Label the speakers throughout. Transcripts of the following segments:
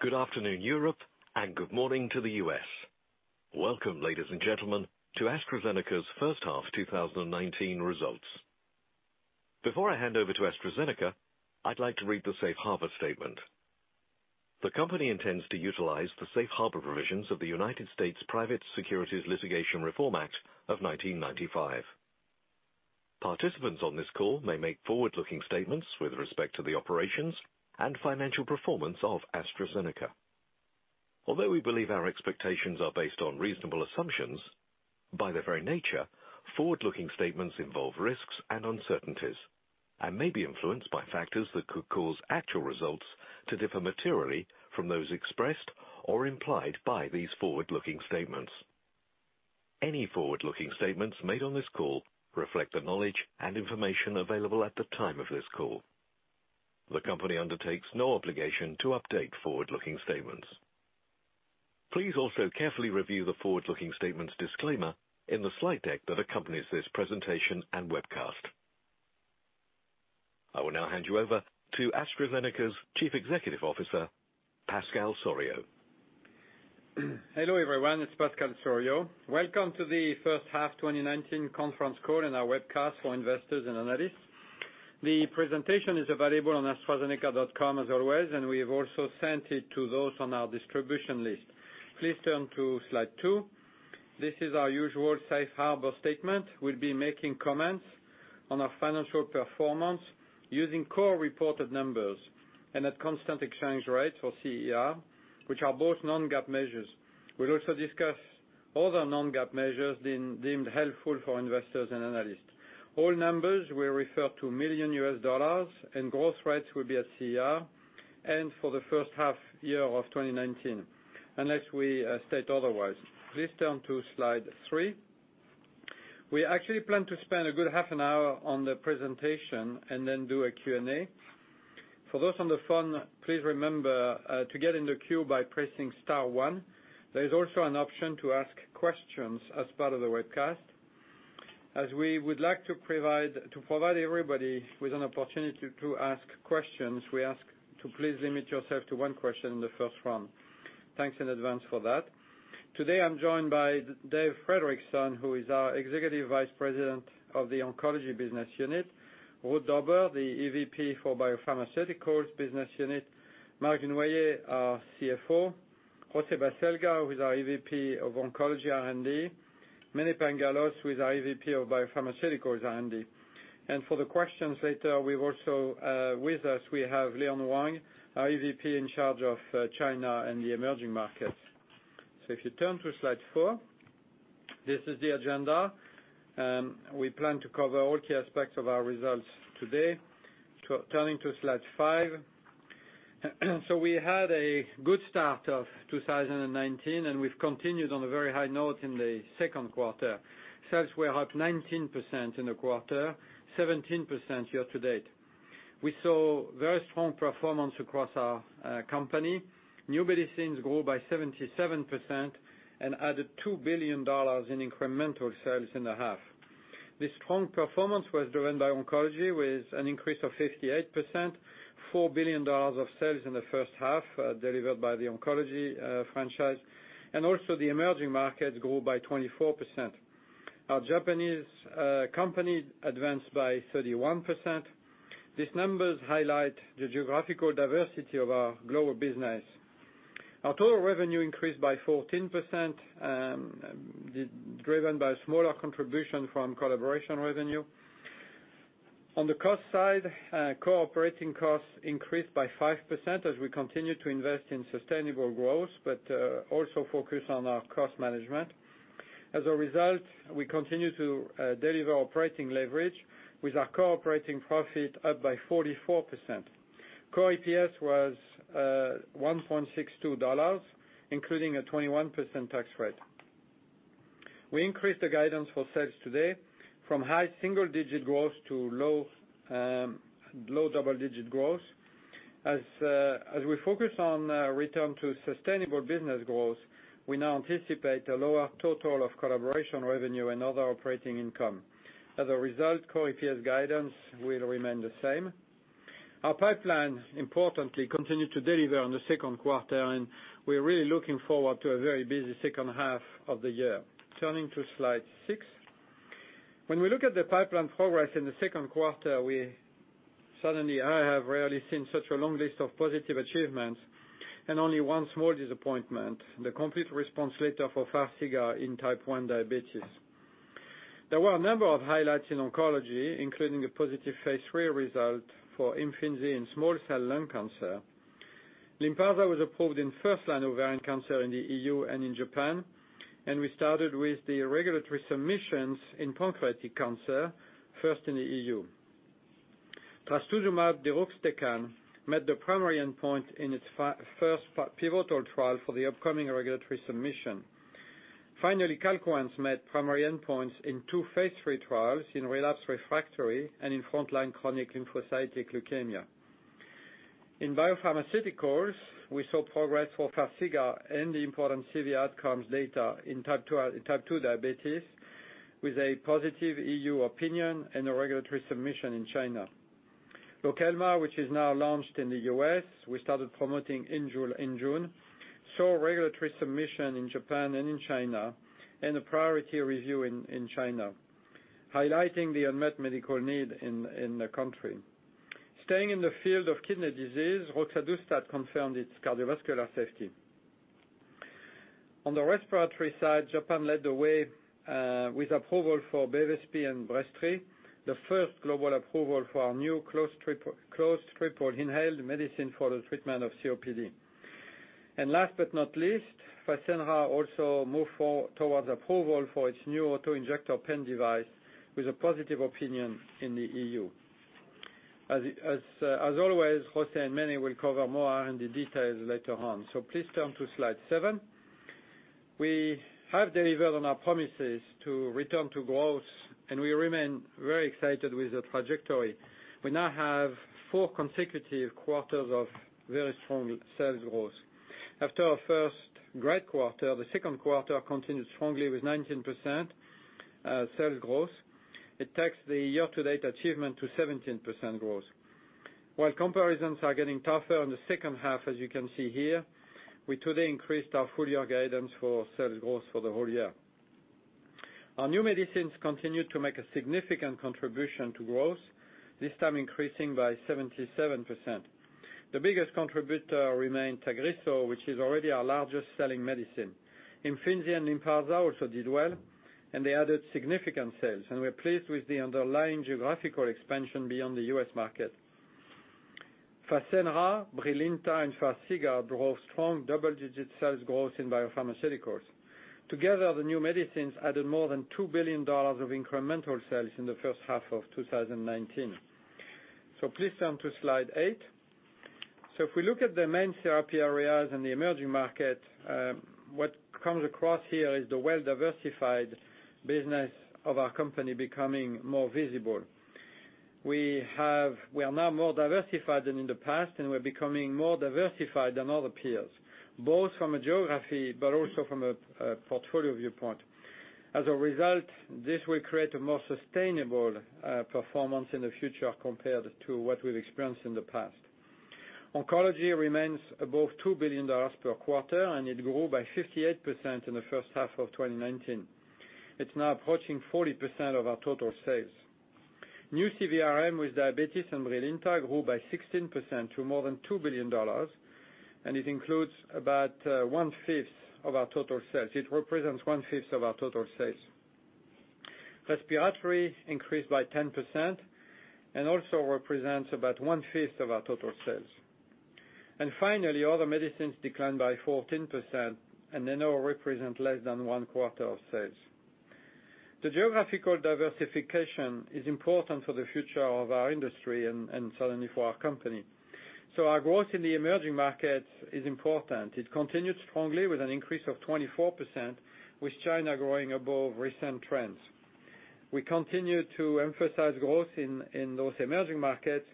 Speaker 1: Good afternoon, Europe, and good morning to the U.S. Welcome, ladies and gentlemen, to AstraZeneca's first half 2019 results. Before I hand over to AstraZeneca, I'd like to read the safe harbor statement. The company intends to utilize the safe harbor provisions of the United States Private Securities Litigation Reform Act of 1995. Participants on this call may make forward-looking statements with respect to the operations and financial performance of AstraZeneca. Although we believe our expectations are based on reasonable assumptions, by their very nature, forward-looking statements involve risks and uncertainties, and may be influenced by factors that could cause actual results to differ materially from those expressed or implied by these forward-looking statements. Any forward-looking statements made on this call reflect the knowledge and information available at the time of this call. The company undertakes no obligation to update forward-looking statements. Please also carefully review the forward-looking statements disclaimer in the slide deck that accompanies this presentation and webcast. I will now hand you over to AstraZeneca's Chief Executive Officer, Pascal Soriot.
Speaker 2: Hello, everyone. It's Pascal Soriot. Welcome to the first half 2019 conference call and our webcast for investors and analysts. The presentation is available on astrazeneca.com as always, and we have also sent it to those on our distribution list. Please turn to Slide two. This is our usual safe harbor statement. We'll be making comments on our financial performance using core reported numbers and at constant exchange rates, or CER, which are both non-GAAP measures. We'll also discuss other non-GAAP measures deemed helpful for investors and analysts. All numbers will refer to $ million, and growth rates will be at CER and for the first half of 2019, unless we state otherwise. Please turn to Slide three. We actually plan to spend a good half an hour on the presentation and then do a Q&A. For those on the phone, please remember to get in the queue by pressing star one. There is also an option to ask questions as part of the webcast. As we would like to provide everybody with an opportunity to ask questions, we ask to please limit yourself to one question in the first round. Thanks in advance for that. Today I'm joined by Dave Fredrickson, who is our Executive Vice President of the Oncology Business Unit, Ruud Dobber, the EVP for BioPharmaceuticals Business Unit, Marc Dunoyer, our CFO, José Baselga, who is our EVP of Oncology R&D, Mene Pangalos, who is our EVP of BioPharmaceuticals R&D. For the questions later, we've also with us, we have Leon Wang, our EVP in charge of China and the emerging markets. If you turn to Slide four, this is the agenda. We plan to cover all key aspects of our results today. Turning to Slide five. We had a good start of 2019, and we've continued on a very high note in the second quarter. Sales were up 19% in the quarter, 17% year-to-date. We saw very strong performance across our company. New medicines grew by 77% and added $2 billion in incremental sales in the half. This strong performance was driven by Oncology, with an increase of 58%, $4 billion of sales in the first half delivered by the Oncology franchise, and also the emerging markets grew by 24%. Our Japanese company advanced by 31%. These numbers highlight the geographical diversity of our global business. Our total revenue increased by 14%, driven by a smaller contribution from collaboration revenue. On the cost side, core operating costs increased by 5% as we continue to invest in sustainable growth, but also focus on our cost management. As a result, we continue to deliver operating leverage with our core operating profit up by 44%. Core EPS was $1.62, including a 21% tax rate. We increased the guidance for sales today from high single-digit growth to low double-digit growth. As we focus on return to sustainable business growth, we now anticipate a lower total of collaboration revenue and other operating income. As a result, core EPS guidance will remain the same. Our pipeline, importantly, continued to deliver on the second quarter, and we're really looking forward to a very busy second half of the year. Turning to Slide six. When we look at the pipeline progress in the second quarter, we certainly have rarely seen such a long list of positive achievements and only one small disappointment, the complete response letter for Farxiga in type 1 diabetes. There were a number of highlights in oncology, including a positive phase III result for Imfinzi in small cell lung cancer. Lynparza was approved in first line ovarian cancer in the E.U. and in Japan. We started with the regulatory submissions in pancreatic cancer, first in the E.U. trastuzumab deruxtecan met the primary endpoint in its first pivotal trial for the upcoming regulatory submission. Finally, Calquence met primary endpoints in two phase III trials in relapsed refractory and in frontline chronic lymphocytic leukemia. In biopharmaceuticals, we saw progress for Farxiga and the important CV outcomes data in type 2 diabetes, with a positive EU opinion and a regulatory submission in China. Lokelma, which is now launched in the U.S., we started promoting in June, saw regulatory submission in Japan and in China, a priority review in China, highlighting the unmet medical need in the country. Staying in the field of kidney disease, roxadustat confirmed its cardiovascular safety. On the respiratory side, Japan led the way with approval for Bevespi and Breztri, the first global approval for our new closed triple inhaled medicine for the treatment of COPD. Last but not least, Fasenra also moved towards approval for its new auto-injector pen device with a positive opinion in the E.U. As always, José and Mene will cover more on the details later on. Please turn to slide seven. We have delivered on our promises to return to growth, and we remain very excited with the trajectory. We now have four consecutive quarters of very strong sales growth. After our first great quarter, the second quarter continued strongly with 19% sales growth. It takes the year-to-date achievement to 17% growth. While comparisons are getting tougher in the second half, as you can see here, we today increased our full-year guidance for sales growth for the whole year. Our new medicines continued to make a significant contribution to growth, this time increasing by 77%. The biggest contributor remained Tagrisso, which is already our largest-selling medicine. Imfinzi and Lynparza also did well. They added significant sales. We're pleased with the underlying geographical expansion beyond the U.S. market. Fasenra, Brilinta, and Farxiga drove strong double-digit sales growth in biopharmaceuticals. Together, the new medicines added more than $2 billion of incremental sales in the first half of 2019. Please turn to slide eight. If we look at the main therapy areas in the emerging market, what comes across here is the well-diversified business of our company becoming more visible. We are now more diversified than in the past, and we're becoming more diversified than other peers, both from a geography but also from a portfolio viewpoint. As a result, this will create a more sustainable performance in the future compared to what we've experienced in the past. Oncology remains above $2 billion per quarter, and it grew by 58% in the first half of 2019. It's now approaching 40% of our total sales. New CVRM with diabetes and Brilinta grew by 16% to more than $2 billion, and it includes about one-fifth of our total sales. It represents one-fifth of our total sales. Respiratory increased by 10% and also represents about one-fifth of our total sales. Finally, other medicines declined by 14%, and they now represent less than one-quarter of sales. The geographical diversification is important for the future of our industry and certainly for our company. Our growth in the emerging markets is important. It continued strongly with an increase of 24%, with China growing above recent trends. We continue to emphasize growth in those emerging markets,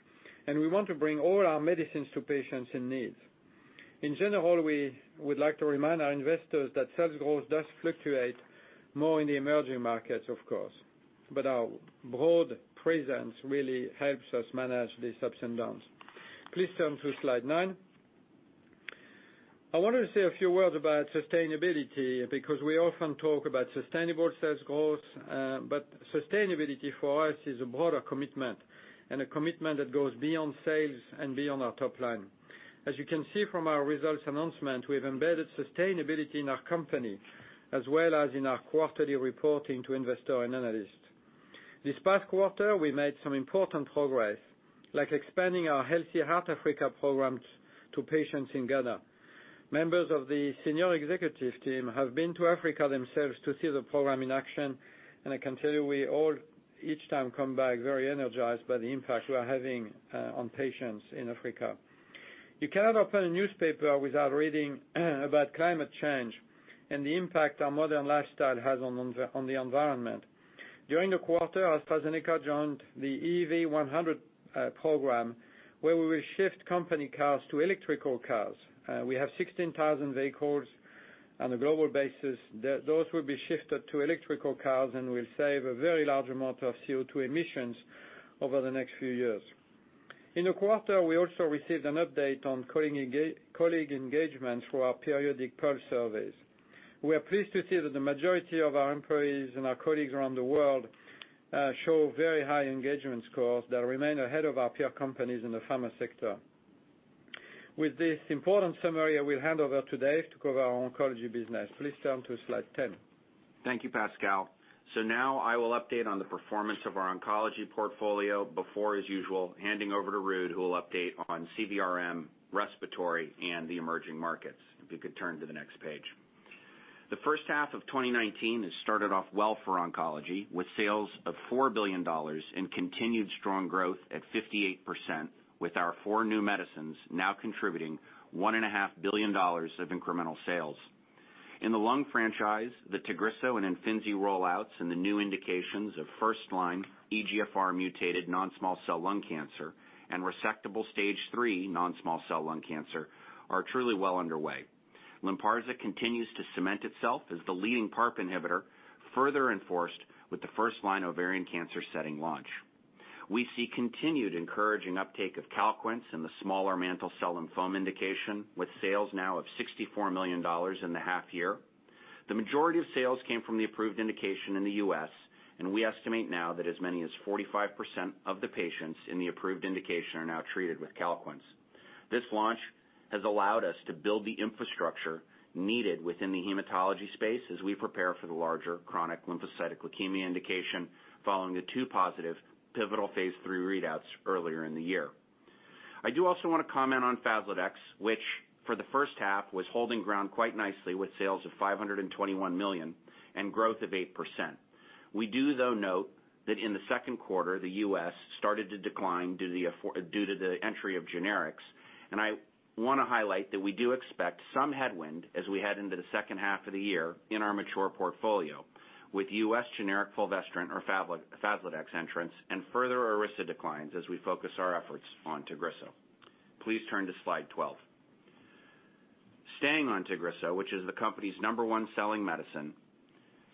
Speaker 2: and we want to bring all our medicines to patients in need. In general, we would like to remind our investors that sales growth does fluctuate more in the emerging markets, of course, but our broad presence really helps us manage these ups and downs. Please turn to slide nine. I wanted to say a few words about sustainability because we often talk about sustainable sales growth, but sustainability for us is a broader commitment and a commitment that goes beyond sales and beyond our top line. As you can see from our results announcement, we've embedded sustainability in our company, as well as in our quarterly reporting to investors and analysts. This past quarter, we made some important progress, like expanding our Healthy Heart Africa programs to patients in Ghana. Members of the senior executive team have been to Africa themselves to see the program in action, and I can tell you we all each time come back very energized by the impact we are having on patients in Africa. You cannot open a newspaper without reading about climate change and the impact our modern lifestyle has on the environment. During the quarter, AstraZeneca joined the EV100 program, where we will shift company cars to electrical cars. We have 16,000 vehicles on a global basis. Those will be shifted to electrical cars, and we'll save a very large amount of CO2 emissions over the next few years. In the quarter, we also received an update on colleague engagement through our periodic pulse surveys. We are pleased to see that the majority of our employees and our colleagues around the world show very high engagement scores that remain ahead of our peer companies in the pharma sector. With this important summary, I will hand over to Dave to cover our oncology business. Please turn to slide 10.
Speaker 3: Thank you, Pascal. Now I will update on the performance of our oncology portfolio before, as usual, handing over to Ruud, who will update on CVRM, respiratory, and the emerging markets. If you could turn to the next page. The first half of 2019 has started off well for oncology, with sales of $4 billion and continued strong growth at 58%, with our four new medicines now contributing $1.5 billion of incremental sales. In the lung franchise, the Tagrisso and Imfinzi rollouts and the new indications of first-line EGFR mutated non-small cell lung cancer and resectable Stage 3 non-small cell lung cancer are truly well underway. Lynparza continues to cement itself as the leading PARP inhibitor, further enforced with the first-line ovarian cancer setting launch. We see continued encouraging uptake of Calquence in the smaller mantle cell lymphoma indication, with sales now of $64 million in the half year. The majority of sales came from the approved indication in the U.S. We estimate now that as many as 45% of the patients in the approved indication are now treated with Calquence. This launch has allowed us to build the infrastructure needed within the hematology space as we prepare for the larger chronic lymphocytic leukemia indication following the two positive pivotal phase III readouts earlier in the year. I do also want to comment on Faslodex, which for the first half was holding ground quite nicely with sales of $521 million and growth of 8%. We do, though, note that in the second quarter, the U.S. started to decline due to the entry of generics. I want to highlight that we do expect some headwind as we head into the second half of the year in our mature portfolio with U.S. generic fulvestrant or Faslodex entrants and further Iressa declines as we focus our efforts on Tagrisso. Please turn to slide 12. Staying on Tagrisso, which is the company's number one selling medicine,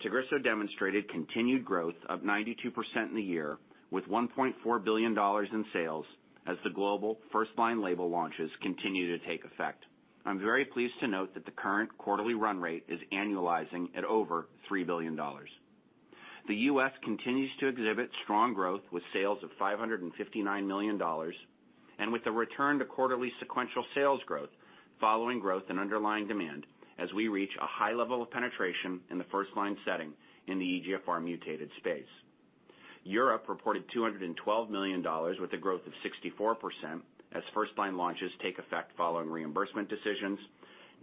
Speaker 3: Tagrisso demonstrated continued growth of 92% in the year, with $1.4 billion in sales as the global first-line label launches continue to take effect. I'm very pleased to note that the current quarterly run rate is annualizing at over $3 billion. The U.S. continues to exhibit strong growth with sales of $559 million and with a return to quarterly sequential sales growth following growth in underlying demand as we reach a high level of penetration in the first-line setting in the EGFR mutated space. Europe reported $212 million with a growth of 64% as first-line launches take effect following reimbursement decisions.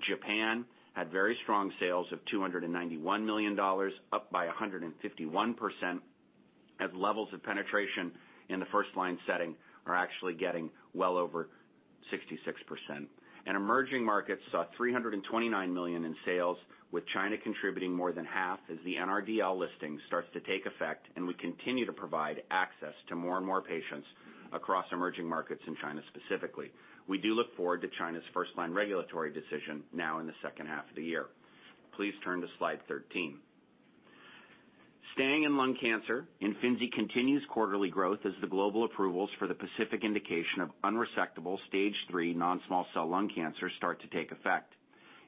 Speaker 3: Japan had very strong sales of $291 million, up by 151%, as levels of penetration in the first-line setting are actually getting well over 66%. Emerging markets saw $329 million in sales, with China contributing more than half as the NRDL listing starts to take effect, and we continue to provide access to more and more patients across emerging markets in China specifically. We do look forward to China's first-line regulatory decision now in the second half of the year. Please turn to slide 13. Staying in lung cancer, Imfinzi continues quarterly growth as the global approvals for the PACIFIC indication of unresectable Stage 3 non-small cell lung cancer start to take effect.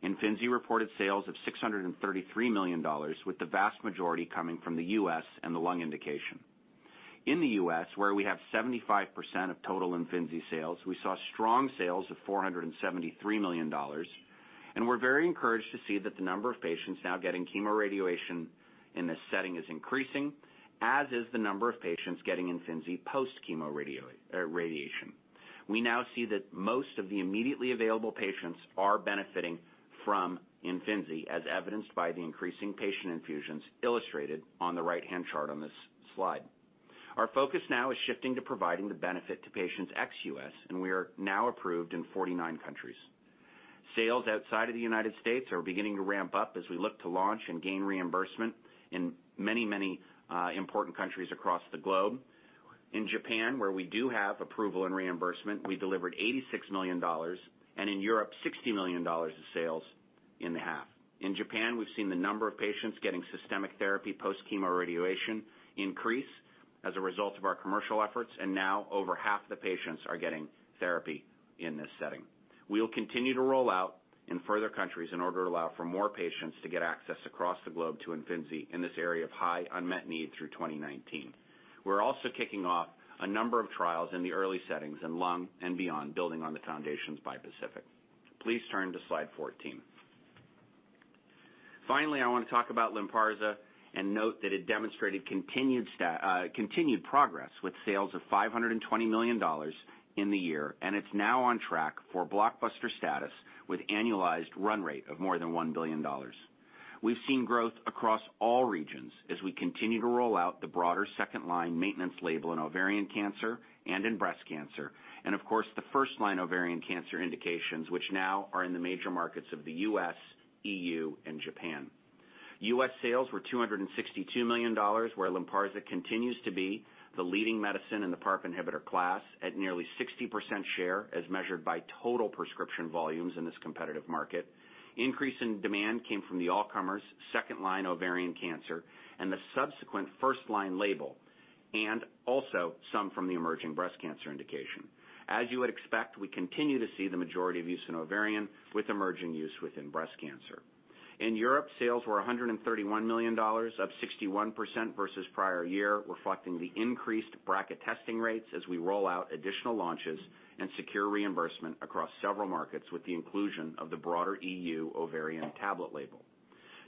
Speaker 3: Imfinzi reported sales of $633 million, with the vast majority coming from the U.S. and the lung indication. In the U.S., where we have 75% of total Imfinzi sales, we saw strong sales of $473 million. We're very encouraged to see that the number of patients now getting chemoradiation in this setting is increasing, as is the number of patients getting Imfinzi post-chemoradiation. We now see that most of the immediately available patients are benefiting from Imfinzi, as evidenced by the increasing patient infusions illustrated on the right-hand chart on this slide. Our focus now is shifting to providing the benefit to patients ex-U.S., and we are now approved in 49 countries. Sales outside of the United States are beginning to ramp up as we look to launch and gain reimbursement in many important countries across the globe. In Japan, where we do have approval and reimbursement, we delivered $86 million, and in Europe, $60 million of sales in the half. In Japan, we've seen the number of patients getting systemic therapy post-chemoradiation increase as a result of our commercial efforts, and now over half the patients are getting therapy in this setting. We'll continue to roll out in further countries in order to allow for more patients to get access across the globe to Imfinzi in this area of high unmet need through 2019. We're also kicking off a number of trials in the early settings in lung and beyond, building on the foundations by PACIFIC. Please turn to slide 14. Finally, I want to talk about Lynparza and note that it demonstrated continued progress with sales of $520 million in the year, and it's now on track for blockbuster status with annualized run rate of more than $1 billion. We've seen growth across all regions as we continue to roll out the broader second-line maintenance label in ovarian cancer and in breast cancer. Of course, the first-line ovarian cancer indications, which now are in the major markets of the U.S., E.U., and Japan. U.S. sales were $262 million, where Lynparza continues to be the leading medicine in the PARP inhibitor class at nearly 60% share as measured by total prescription volumes in this competitive market. Increase in demand came from the all-comers second-line ovarian cancer and the subsequent first-line label, and also some from the emerging breast cancer indication. As you would expect, we continue to see the majority of use in ovarian with emerging use within breast cancer. In Europe, sales were $131 million, up 61% versus prior year, reflecting the increased BRCA testing rates as we roll out additional launches and secure reimbursement across several markets with the inclusion of the broader E.U. ovarian tablet label.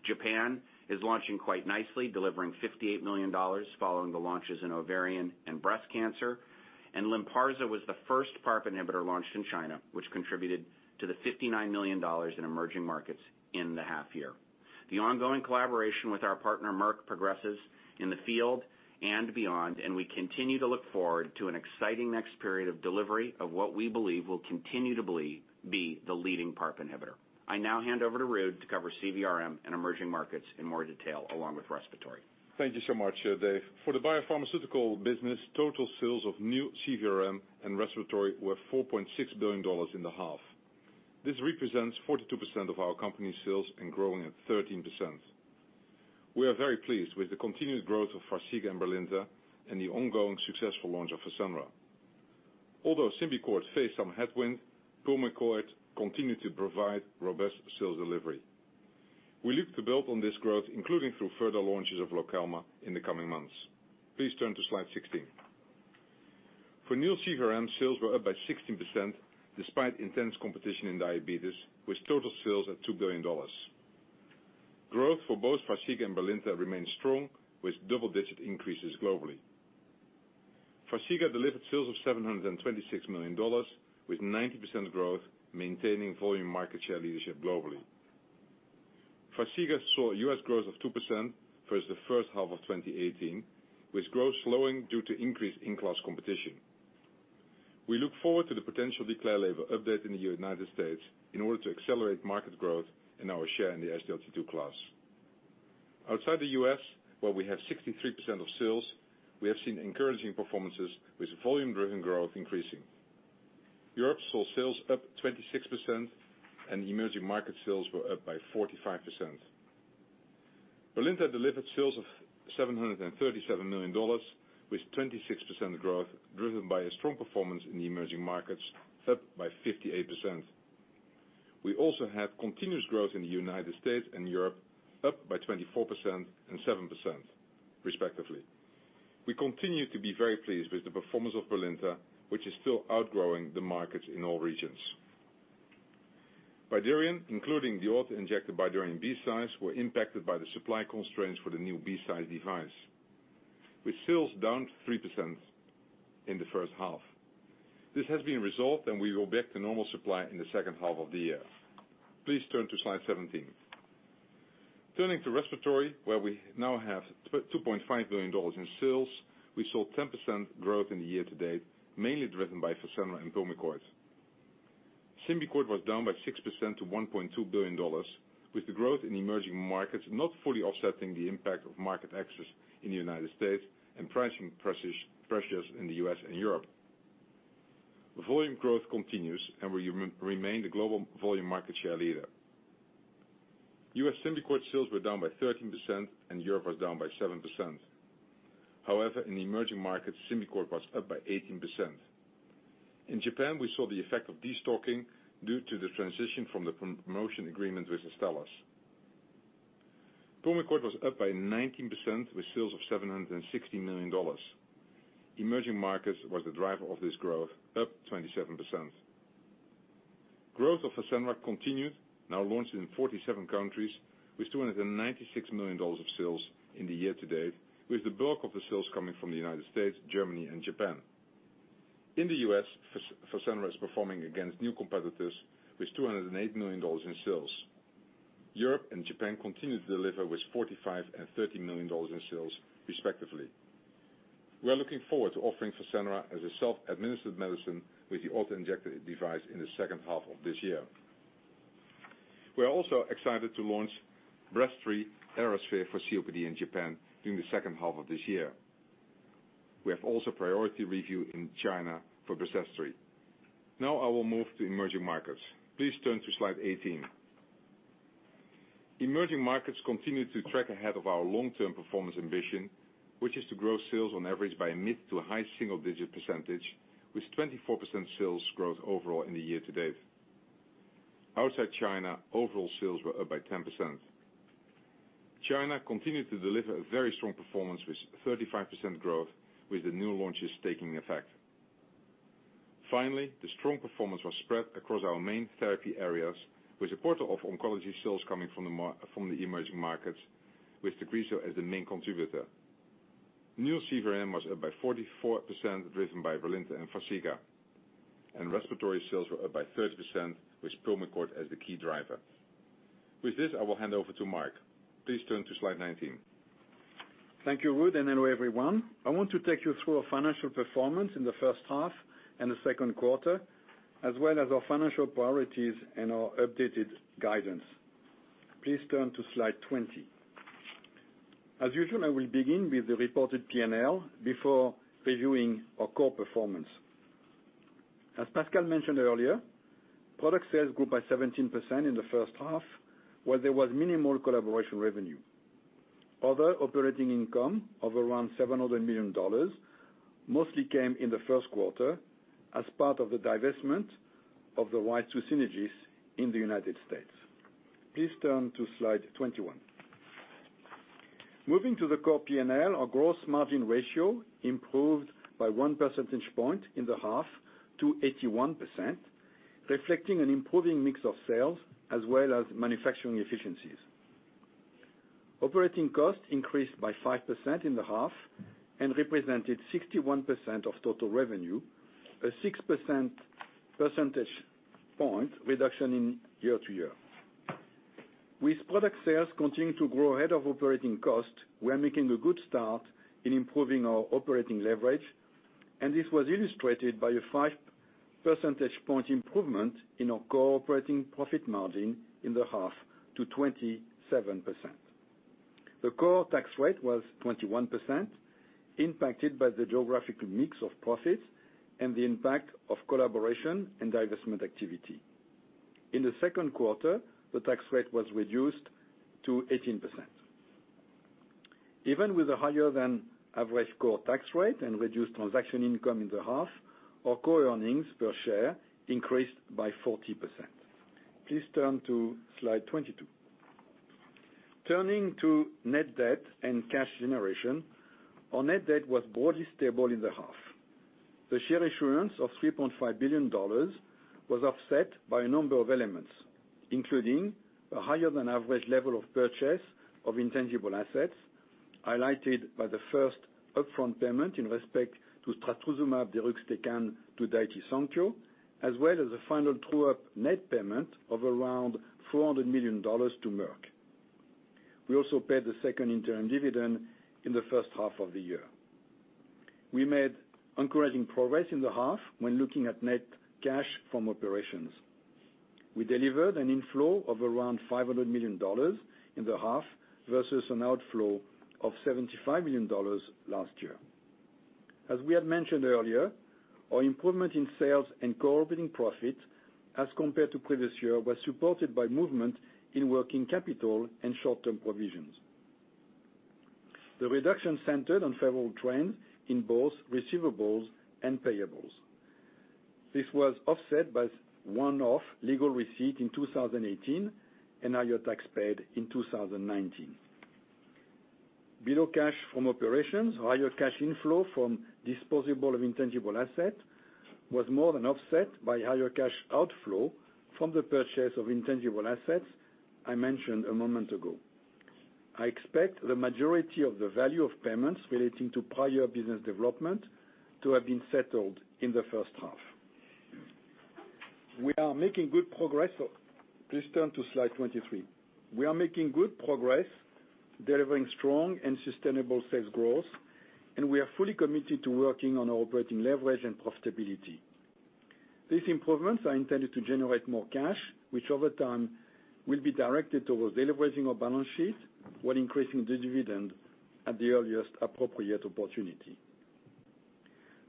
Speaker 3: Japan is launching quite nicely, delivering $58 million following the launches in ovarian and breast cancer. Lynparza was the first PARP inhibitor launched in China, which contributed to the $59 million in emerging markets in the half year. The ongoing collaboration with our partner, Merck, progresses in the field and beyond, and we continue to look forward to an exciting next period of delivery of what we believe will continue to be the leading PARP inhibitor. I now hand over to Ruud to cover CVRM and emerging markets in more detail, along with Respiratory.
Speaker 4: Thank you so much, Dave. For the biopharmaceutical business, total sales of new CVRM and Respiratory were $4.6 billion in the half. This represents 42% of our company's sales, growing at 13%. We are very pleased with the continued growth of Farxiga and Brilinta and the ongoing successful launch of Fasenra. Although Symbicort faced some headwinds, Pulmicort continued to provide robust sales delivery. We look to build on this growth, including through further launches of Lokelma in the coming months. Please turn to slide 16. For new CVRM, sales were up by 16%, despite intense competition in diabetes, with total sales at $2 billion. Growth for both Farxiga and Brilinta remains strong, with double-digit increases globally. Farxiga delivered sales of $726 million with 90% growth, maintaining volume market share leadership globally. Farxiga saw U.S. growth of 2% versus the first half of 2018, with growth slowing due to increased in-class competition. We look forward to the potential DECLARE label update in the U.S. in order to accelerate market growth in our share in the SGLT2 class. Outside the U.S., where we have 63% of sales, we have seen encouraging performances with volume-driven growth increasing. Europe saw sales up 26%, emerging market sales were up by 45%. Brilinta delivered sales of $737 million, with 26% growth driven by a strong performance in the emerging markets, up by 58%. We also have continuous growth in the U.S. and Europe, up by 24% and 7% respectively. We continue to be very pleased with the performance of Brilinta, which is still outgrowing the markets in all regions. Bydureon, including the auto-injector Bydureon BCise, were impacted by the supply constraints for the new BCise device, with sales down 3% in the first half. This has been resolved. We go back to normal supply in the second half of the year. Please turn to slide 17. Turning to respiratory, where we now have $2.5 billion in sales. We saw 10% growth in the year-to-date, mainly driven by Fasenra and Pulmicort. Symbicort was down by 6% to $1.2 billion, with the growth in emerging markets not fully offsetting the impact of market access in the United States and pricing pressures in the U.S. and Europe. The volume growth continues. We remain the global volume market share leader. U.S. Symbicort sales were down by 13%. Europe was down by 7%. However, in the emerging markets, Symbicort was up by 18%. In Japan, we saw the effect of destocking due to the transition from the promotion agreement with Astellas. Pulmicort was up by 19%, with sales of $760 million. Emerging markets was the driver of this growth, up 27%. Growth of Fasenra continued, now launched in 47 countries, with $296 million of sales in the year-to-date, with the bulk of the sales coming from the United States, Germany, and Japan. In the U.S., Fasenra is performing against new competitors with $208 million in sales. Europe and Japan continue to deliver with $45 and $30 million in sales respectively. We are looking forward to offering Fasenra as a self-administered medicine with the auto-injector device in the second half of this year. We are also excited to launch Breztri Aerosphere for COPD in Japan during the second half of this year. We have also priority review in China for Breztri. Now I will move to emerging markets. Please turn to slide 18. Emerging markets continue to track ahead of our long-term performance ambition, which is to grow sales on average by mid to a high single-digit %, with 24% sales growth overall in the year-to-date. Outside China, overall sales were up by 10%. China continued to deliver a very strong performance with 35% growth with the new launches taking effect. Finally, the strong performance was spread across our main therapy areas with a quarter of oncology sales coming from the emerging markets, with Tagrisso as the main contributor. New CVRM was up by 44%, driven by Brilinta and Farxiga, and respiratory sales were up by 30%, with Pulmicort as the key driver. With this, I will hand over to Marc. Please turn to slide 19.
Speaker 5: Thank you, Ruud. Hello, everyone. I want to take you through our financial performance in the first half and the second quarter, as well as our financial priorities and our updated guidance. Please turn to slide 20. As usual, I will begin with the reported P&L before reviewing our core performance. As Pascal mentioned earlier, product sales grew by 17% in the first half, where there was minimal collaboration revenue. Other operating income of around $700 million mostly came in the first quarter as part of the divestment of the rights to Synagis in the United States. Please turn to slide 21. Moving to the core P&L, our gross margin ratio improved by 1 percentage point in the half to 81%, reflecting an improving mix of sales as well as manufacturing efficiencies. Operating costs increased by 5% in the half and represented 61% of total revenue, a 6-percentage point reduction in year-over-year. With product sales continuing to grow ahead of operating costs, we are making a good start in improving our operating leverage, and this was illustrated by a 5-percentage point improvement in our core operating profit margin in the half to 27%. The core tax rate was 21%, impacted by the geographic mix of profits and the impact of collaboration and divestment activity. In the second quarter, the tax rate was reduced to 18%. Even with a higher than average core tax rate and reduced transaction income in the half, our core earnings per share increased by 40%. Please turn to Slide 22. Turning to net debt and cash generation, our net debt was broadly stable in the half. The share issuance of $3.5 billion was offset by a number of elements, including a higher than average level of purchase of intangible assets, highlighted by the first upfront payment in respect to trastuzumab deruxtecan to Daiichi Sankyo, as well as a final true-up net payment of around $400 million to Merck. We also paid the second interim dividend in the first half of the year. We made encouraging progress in the half when looking at net cash from operations. We delivered an inflow of around $500 million in the half versus an outflow of $75 million last year. As we had mentioned earlier, our improvement in sales and core operating profit as compared to previous year was supported by movement in working capital and short-term provisions. The reduction centered on favorable trends in both receivables and payables. This was offset by one-off legal receipt in 2018 and higher tax paid in 2019. Below cash from operations, higher cash inflow from disposal of intangible asset was more than offset by higher cash outflow from the purchase of intangible assets I mentioned a moment ago. I expect the majority of the value of payments relating to prior business development to have been settled in the first half. Please turn to Slide 23. We are making good progress delivering strong and sustainable sales growth, and we are fully committed to working on our operating leverage and profitability. These improvements are intended to generate more cash, which over time will be directed towards deleveraging our balance sheet while increasing the dividend at the earliest appropriate opportunity.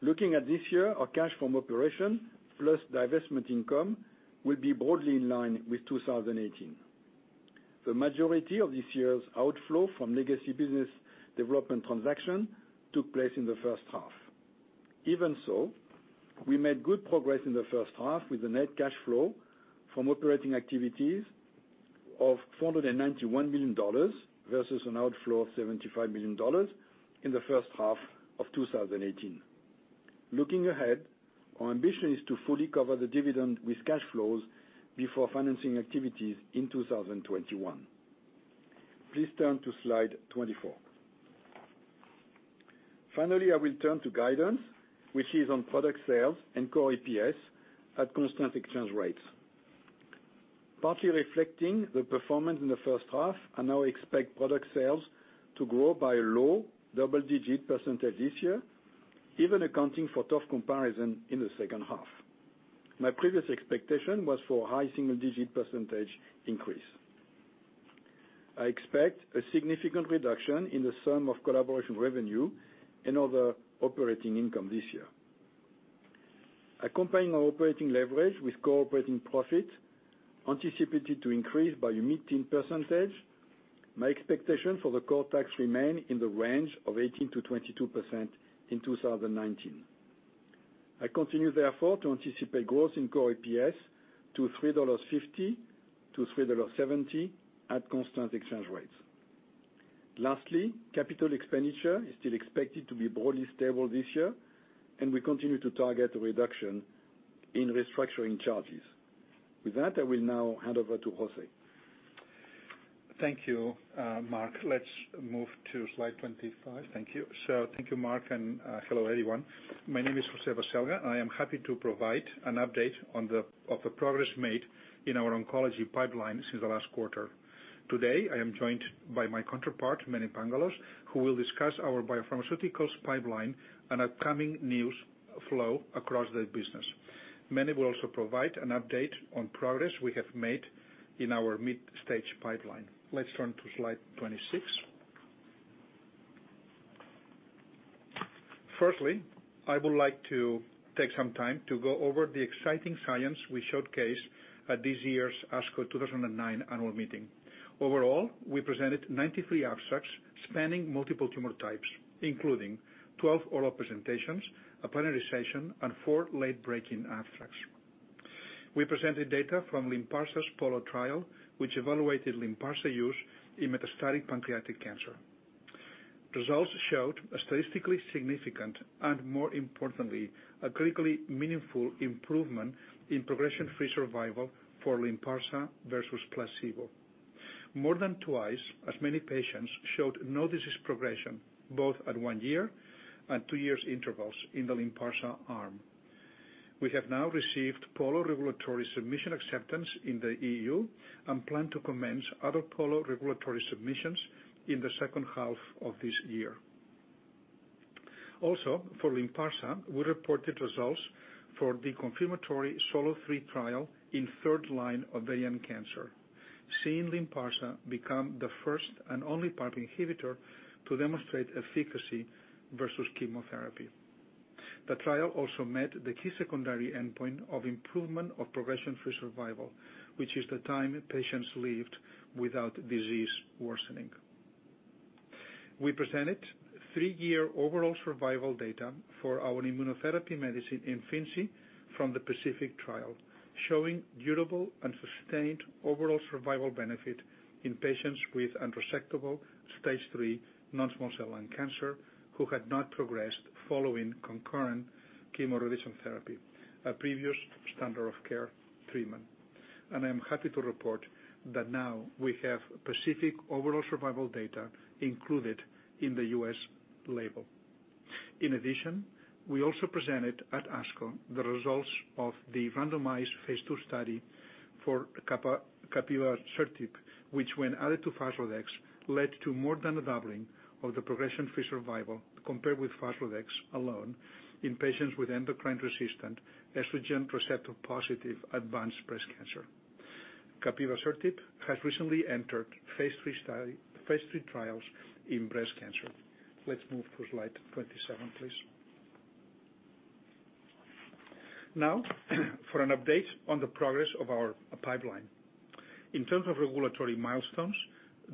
Speaker 5: Looking at this year, our cash from operations plus divestment income will be broadly in line with 2018. The majority of this year's outflow from legacy business development transaction took place in the first half. Even so, we made good progress in the first half with the net cash flow from operating activities of $491 million versus an outflow of $75 million in the first half of 2018. Looking ahead, our ambition is to fully cover the dividend with cash flows before financing activities in 2021. Please turn to Slide 24. Finally, I will turn to guidance, which is on product sales and core EPS at constant exchange rates. Partly reflecting the performance in the first half, I now expect product sales to grow by a low double-digit percentage this year, even accounting for tough comparison in the second half. My previous expectation was for high single-digit percentage increase. I expect a significant reduction in the sum of collaboration revenue and other operating income this year. Accompanying our operating leverage with core operating profit anticipated to increase by mid-teen percentage, my expectation for the core tax remain in the range of 18%-22% in 2019. I continue, therefore, to anticipate growth in core EPS to $3.50-$3.70 at constant exchange rates. Lastly, capital expenditure is still expected to be broadly stable this year, and we continue to target a reduction in restructuring charges. With that, I will now hand over to José.
Speaker 6: Thank you, Marc. Let's move to Slide 25. Thank you. Thank you, Marc, and hello, everyone. My name is José Baselga, and I am happy to provide an update of the progress made in our oncology pipeline since the last quarter. Today, I am joined by my counterpart, Mene Pangalos, who will discuss our BioPharmaceuticals pipeline and upcoming news flow across the business. Mene will also provide an update on progress we have made in our mid-stage pipeline. Let's turn to Slide 26. Firstly, I would like to take some time to go over the exciting science we showcased at this year's ASCO 2019 annual meeting. Overall, we presented 93 abstracts spanning multiple tumor types, including 12 oral presentations, a plenary session, and four late-breaking abstracts. We presented data from Lynparza's POLO trial, which evaluated Lynparza use in metastatic pancreatic cancer. Results showed a statistically significant, and more importantly, a critically meaningful improvement in progression-free survival for Lynparza versus placebo. More than twice as many patients showed no disease progression, both at one year and two years intervals in the Lynparza arm. We have now received POLO regulatory submission acceptance in the E.U., and plan to commence other POLO regulatory submissions in the second half of this year. Also, for Lynparza, we reported results for the confirmatory SOLO3 trial in third-line ovarian cancer, seeing Lynparza become the first and only PARP inhibitor to demonstrate efficacy versus chemotherapy. The trial also met the key secondary endpoint of improvement of progression-free survival, which is the time patients lived without disease worsening. We presented three-year overall survival data for our immunotherapy medicine, Imfinzi, from the PACIFIC trial, showing durable and sustained overall survival benefit in patients with unresectable Stage 3 non-small cell lung cancer who had not progressed following concurrent chemoradiation therapy, a previous standard of care treatment. I am happy to report that now we have specific overall survival data included in the U.S. label. In addition, we also presented at ASCO the results of the randomized phase II study for capivasertib, which when added to Faslodex, led to more than doubling of the progression-free survival compared with Faslodex alone in patients with endocrine-resistant, estrogen-receptor-positive advanced breast cancer. Capivasertib has recently entered phase III trials in breast cancer. Let's move to slide 27, please. Now, for an update on the progress of our pipeline. In terms of regulatory milestones,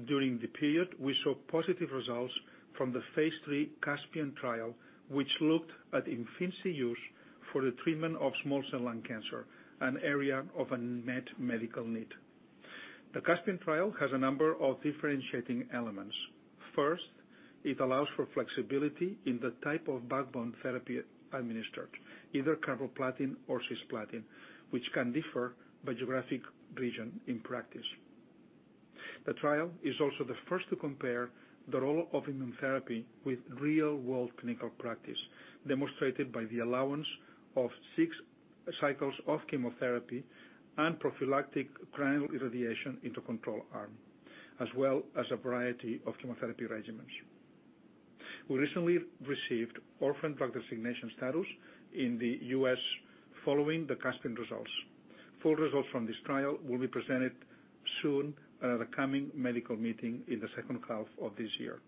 Speaker 6: during the period, we saw positive results from the phase III CASPIAN trial, which looked at Imfinzi use for the treatment of small cell lung cancer, an area of unmet medical need. The CASPIAN trial has a number of differentiating elements. First, it allows for flexibility in the type of backbone therapy administered, either carboplatin or cisplatin, which can differ by geographic region in practice. The trial is also the first to compare the role of immunotherapy with real-world clinical practice, demonstrated by the allowance of six cycles of chemotherapy and prophylactic cranial irradiation into control arm, as well as a variety of chemotherapy regimens. We recently received orphan drug designation status in the U.S. following the CASPIAN results. Full results from this trial will be presented soon at an upcoming medical meeting in the second half of this year.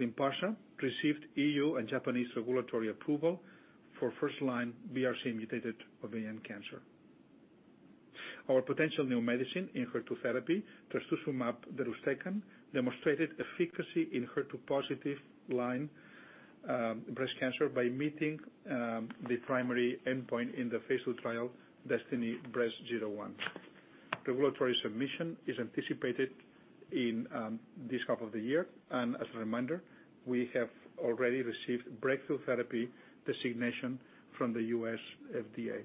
Speaker 6: Lynparza received E.U. and Japanese regulatory approval for first-line BRCA-mutated ovarian cancer. Our potential new medicine in HER2 therapy, trastuzumab deruxtecan, demonstrated efficacy in HER2-positive lung, breast cancer by meeting the primary endpoint in the phase II trial, DESTINY-Breast01. Regulatory submission is anticipated in this half of the year. As a reminder, we have already received breakthrough therapy designation from the U.S. FDA.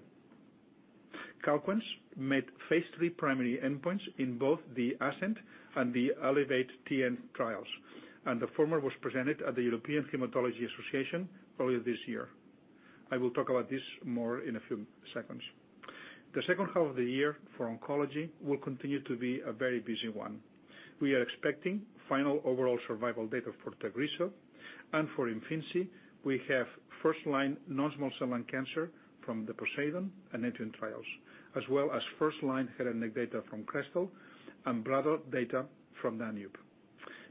Speaker 6: Calquence met phase III primary endpoints in both the ASCEND and the ELEVATE-TN trials. The former was presented at the European Hematology Association earlier this year. I will talk about this more in a few seconds. The second half of the year for oncology will continue to be a very busy one. We are expecting final overall survival data for Tagrisso. For Imfinzi, we have first-line non-small cell lung cancer from the POSEIDON and NEPTUNE trials, as well as first-line head and neck data from KESTREL and bladder data from DANUBE.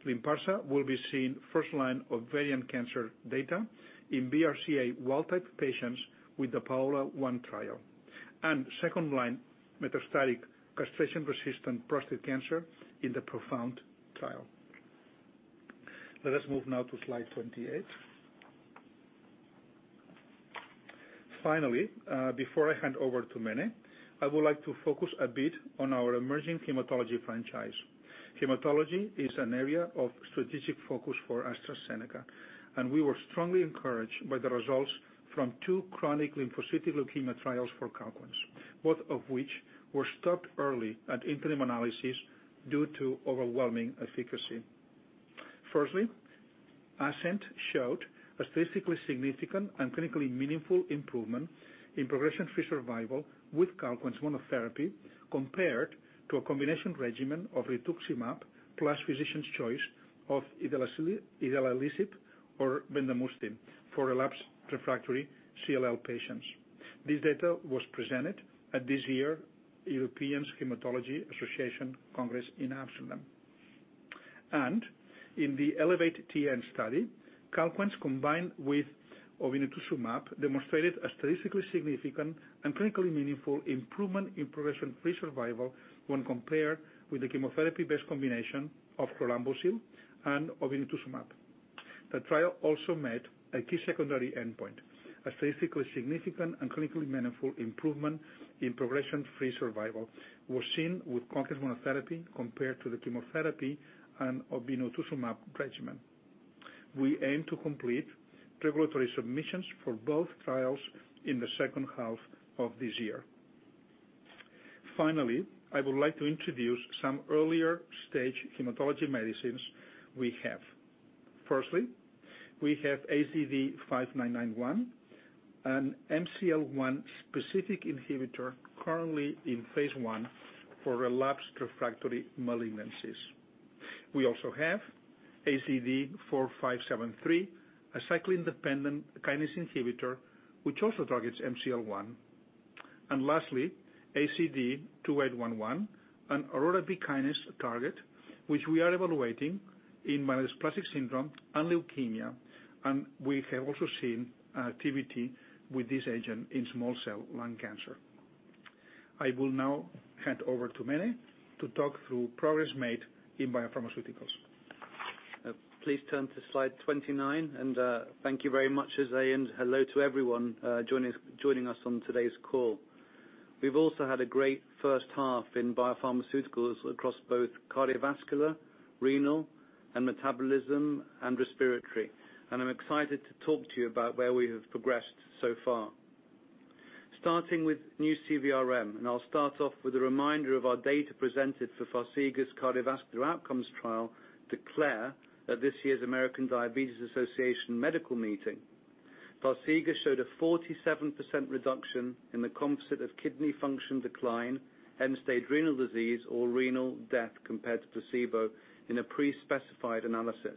Speaker 6: Lynparza will be seeing first-line ovarian cancer data in BRCA wild-type patients with the PAOLA-1 trial and second-line metastatic castration-resistant prostate cancer in the PROfound trial. Let us move now to slide 28. Finally, before I hand over to Mene, I would like to focus a bit on our emerging hematology franchise. Hematology is an area of strategic focus for AstraZeneca, and we were strongly encouraged by the results from two chronic lymphocytic leukemia trials for Calquence, both of which were stopped early at interim analysis due to overwhelming efficacy. ASCEND showed a statistically significant and clinically meaningful improvement in progression-free survival with Calquence monotherapy compared to a combination regimen of rituximab plus physician's choice of idelalisib or bendamustine for relapsed/refractory CLL patients. This data was presented at this year's European Hematology Association Congress in Amsterdam. In the ELEVATE-TN study, Calquence combined with obinutuzumab demonstrated a statistically significant and clinically meaningful improvement in progression-free survival when compared with the chemotherapy-based combination of chlorambucil and obinutuzumab. The trial also met a key secondary endpoint, a statistically significant and clinically meaningful improvement in progression-free survival was seen with Calquence monotherapy compared to the chemotherapy and obinutuzumab regimen. We aim to complete regulatory submissions for both trials in the second half of this year. I would like to introduce some earlier-stage hematology medicines we have. We have AZD5991, an MCL-1 specific inhibitor currently in phase I for relapsed refractory malignancies. We also have AZD4573, a cyclin-dependent kinase inhibitor, which also targets MCL-1. Lastly, AZD2811, an Aurora B kinase target, which we are evaluating in myelodysplastic syndrome and leukemia, and we have also seen activity with this agent in small cell lung cancer. I will now hand over to Mene to talk through progress made in biopharmaceuticals.
Speaker 7: Please turn to slide 29. Thank you very much, José, and hello to everyone joining us on today's call. We've also had a great first half in biopharmaceuticals across both cardiovascular, renal, and metabolism, and respiratory. I'm excited to talk to you about where we have progressed so far. Starting with new CVRM. I'll start off with a reminder of our data presented for Farxiga's cardiovascular outcomes trial, DECLARE, at this year's American Diabetes Association medical meeting. Farxiga showed a 47% reduction in the composite of kidney function decline, end-stage renal disease, or renal death compared to placebo in a pre-specified analysis.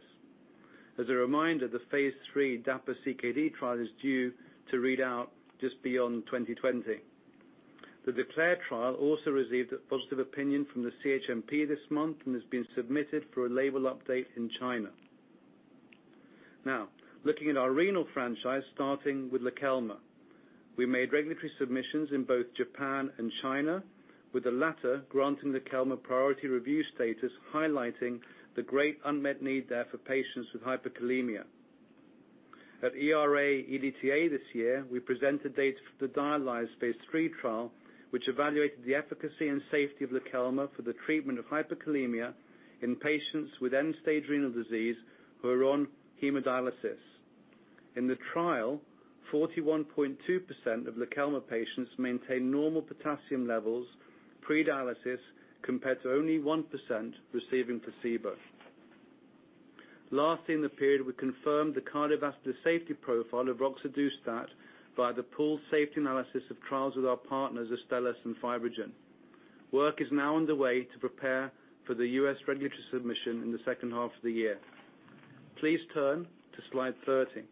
Speaker 7: As a reminder, the phase III DAPA-CKD trial is due to read out just beyond 2020. The DECLARE trial also received a positive opinion from the CHMP this month and has been submitted for a label update in China. Now, looking at our renal franchise, starting with Lokelma. We made regulatory submissions in both Japan and China, with the latter granting Lokelma priority review status, highlighting the great unmet need there for patients with hyperkalemia. At ERA-EDTA this year, we presented data for the DIALIZE phase III trial, which evaluated the efficacy and safety of Lokelma for the treatment of hyperkalemia in patients with end-stage renal disease who are on hemodialysis. In the trial, 41.2% of Lokelma patients maintain normal potassium levels pre-dialysis compared to only 1% receiving placebo. Last in the period, we confirmed the cardiovascular safety profile of roxadustat by the pooled safety analysis of trials with our partners, Astellas and FibroGen. Work is now underway to prepare for the U.S. regulatory submission in the second half of the year. Please turn to slide 30.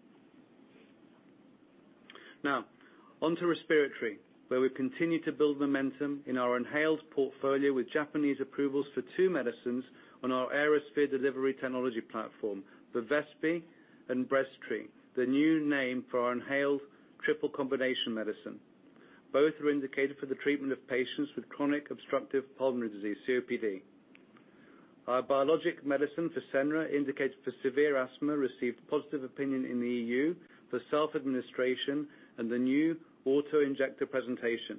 Speaker 7: On to respiratory, where we continue to build momentum in our inhaled portfolio with Japanese approvals for two medicines on our Aerosphere delivery technology platform, Bevespi and Breztri, the new name for our inhaled triple-combination medicine. Both are indicated for the treatment of patients with chronic obstructive pulmonary disease, COPD. Our biologic medicine, Fasenra, indicated for severe asthma, received positive opinion in the E.U. for self-administration and the new auto-injector presentation.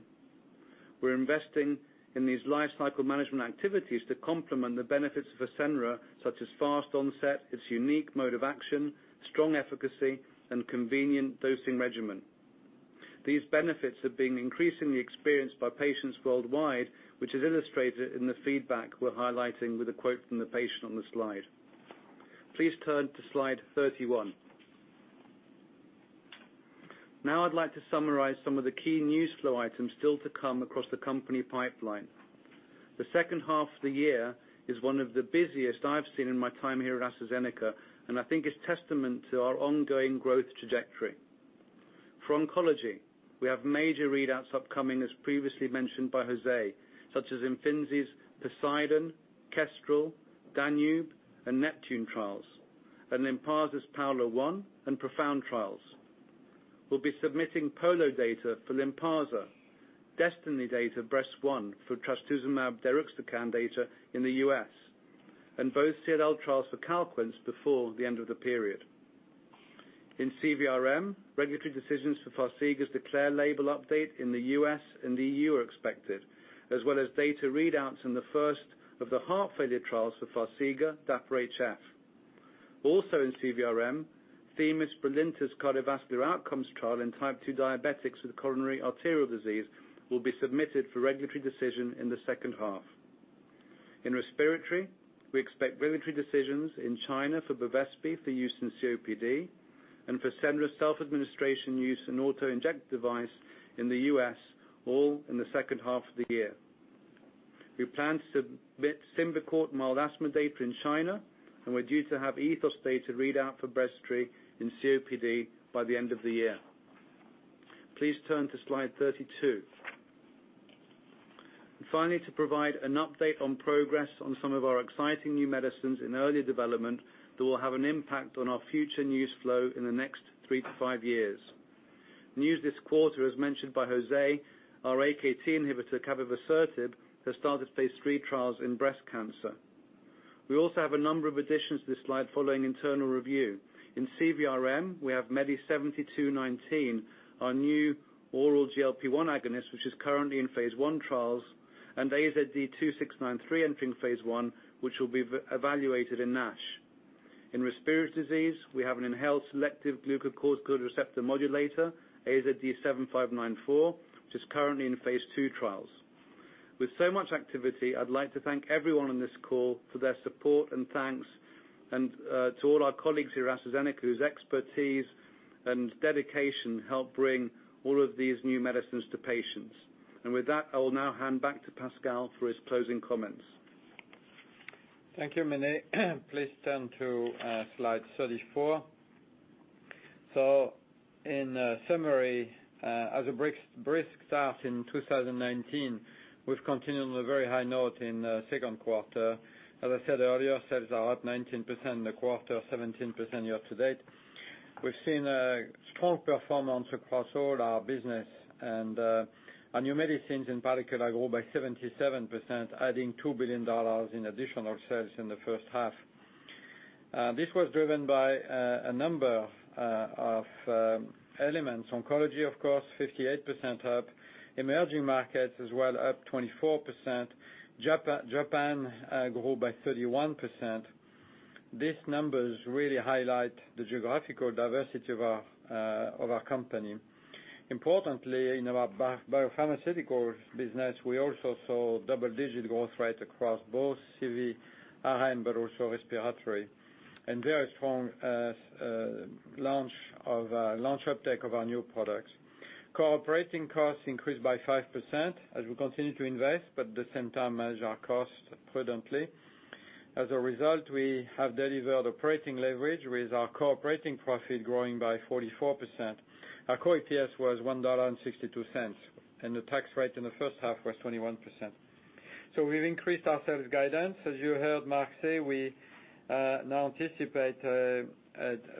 Speaker 7: We're investing in these life cycle management activities to complement the benefits of Fasenra, such as fast onset, its unique mode of action, strong efficacy, and convenient dosing regimen. These benefits are being increasingly experienced by patients worldwide, which is illustrated in the feedback we're highlighting with a quote from the patient on the slide. Please turn to slide 31. Now I'd like to summarize some of the key news flow items still to come across the company pipeline. The second half of the year is one of the busiest I've seen in my time here at AstraZeneca, and I think it's testament to our ongoing growth trajectory. For oncology, we have major readouts upcoming, as previously mentioned by José, such as Imfinzi's POSEIDON, KESTREL, DANUBE, and NEPTUNE trials, and Lynparza's PAOLA-1 and PROfound trials. We'll be submitting POLO data for Lynparza, DESTINY-Breast01 data for trastuzumab deruxtecan data in the U.S., and both CLL trials for Calquence before the end of the period. In CVRM, regulatory decisions for Farxiga's DECLARE label update in the U.S. and E.U. are expected, as well as data readouts in the first of the heart failure trials for Farxiga, DAPA-HF. Also in CVRM, [vemurafenib] cardiovascular outcomes trial in type 2 diabetics with coronary arterial disease will be submitted for regulatory decision in the second half. In respiratory, we expect regulatory decisions in China for Bevespi for use in COPD and Fasenra's self-administration use in auto-injector device in the U.S. all in the second half of the year. We plan to submit Symbicort mild asthma data in China, we're due to have ETHOS data readout for Breztri in COPD by the end of the year. Please turn to slide 32. Finally, to provide an update on progress on some of our exciting new medicines in early development that will have an impact on our future news flow in the next three to five years. News this quarter, as mentioned by José, our AKT inhibitor, capivasertib, has started phase III trials in breast cancer. We also have a number of additions to this slide following internal review. In CVRM, we have MEDI7219, our new oral GLP-1 agonist, which is currently in phase I trials, and AZD2693 entering phase I, which will be evaluated in NASH. In respiratory disease, we have an inhaled selective glucocorticoid receptor modulator, AZD7594, which is currently in phase II trials. With so much activity, I'd like to thank everyone on this call for their support and thanks, and to all our colleagues here at AstraZeneca, whose expertise and dedication help bring all of these new medicines to patients. With that, I will now hand back to Pascal for his closing comments.
Speaker 2: Thank you, Mene. Please turn to slide 34. In summary, as a brisk start in 2019, we've continued on a very high note in the second quarter. As I said earlier, sales are up 19% in the quarter, 17% year-to-date. We've seen a strong performance across all our business, and our new medicines in particular grew by 77%, adding $2 billion in additional sales in the first half. This was driven by a number of elements. Oncology, of course, 58% up. Emerging markets as well, up 24%. Japan grew by 31%. These numbers really highlight the geographical diversity of our company. Importantly, in our biopharmaceutical business, we also saw double-digit growth rates across both CVRM, but also respiratory. Very strong launch uptake of our new products. Core operating costs increased by 5% as we continue to invest, but at the same time manage our costs prudently. We have delivered operating leverage with our core operating profit growing by 44%. Our core EPS was $1.62, and the tax rate in the first half was 21%. We've increased our sales guidance. As you heard Marc say, we now anticipate a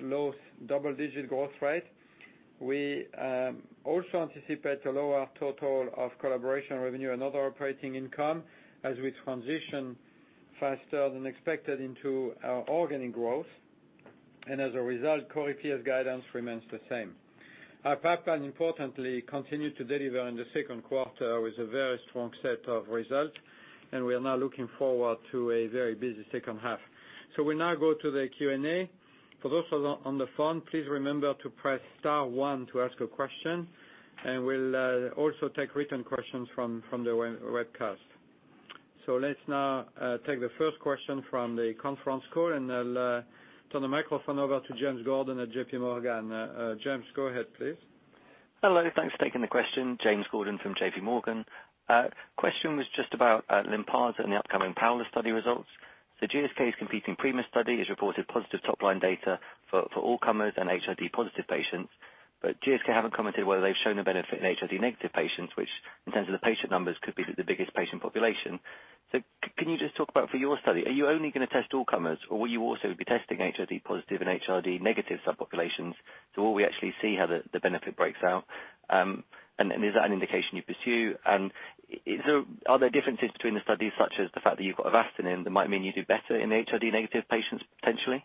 Speaker 2: low double-digit growth rate. We also anticipate a lower total of collaboration revenue and other operating income as we transition faster than expected into our organic growth. Core EPS guidance remains the same. Our pipeline, importantly, continued to deliver in the second quarter with a very strong set of results, and we are now looking forward to a very busy second half. We now go to the Q&A. For those of you on the phone, please remember to press star one to ask a question, and we'll also take written questions from the webcast. Let's now take the first question from the conference call, and I'll turn the microphone over to James Gordon at JPMorgan. James, go ahead, please.
Speaker 8: Hello. Thanks for taking the question. James Gordon from JPMorgan. Question was just about Lynparza and the upcoming PAOLA study results. GSK's competing PRIMA study has reported positive top-line data for all comers and HRD-positive patients. GSK haven't commented whether they've shown a benefit in HRD-negative patients, which in terms of the patient numbers, could be the biggest patient population. Can you just talk about for your study, are you only going to test all comers, or will you also be testing HRD positive and HRD negative subpopulations so we'll actually see how the benefit breaks out? Is that an indication you pursue? Are there differences between the studies, such as the fact that you've got Avastin that might mean you do better in HRD-negative patients, potentially?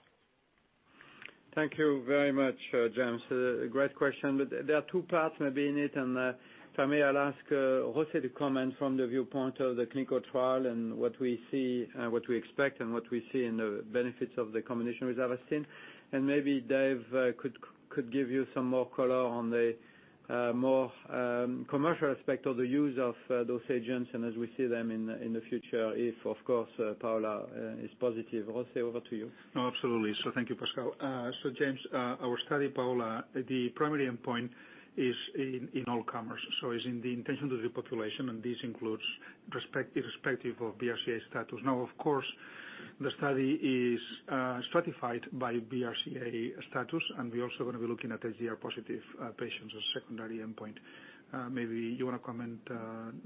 Speaker 2: Thank you very much, James. A great question. There are two parts maybe in it. If I may, I'll ask José to comment from the viewpoint of the clinical trial and what we expect and what we see in the benefits of the combination with Avastin. Maybe Dave could give you some more color on the more commercial aspect of the use of those agents and as we see them in the future if, of course, PAOLA is positive. José, over to you.
Speaker 6: No, absolutely. Thank you, Pascal. James, our study, PAOLA, the primary endpoint is in all comers, so is in the intention of the population, and this includes respective of BRCA status. Of course, the study is stratified by BRCA status, and we're also going to be looking at HR-positive patients as secondary endpoint. Maybe you want to comment,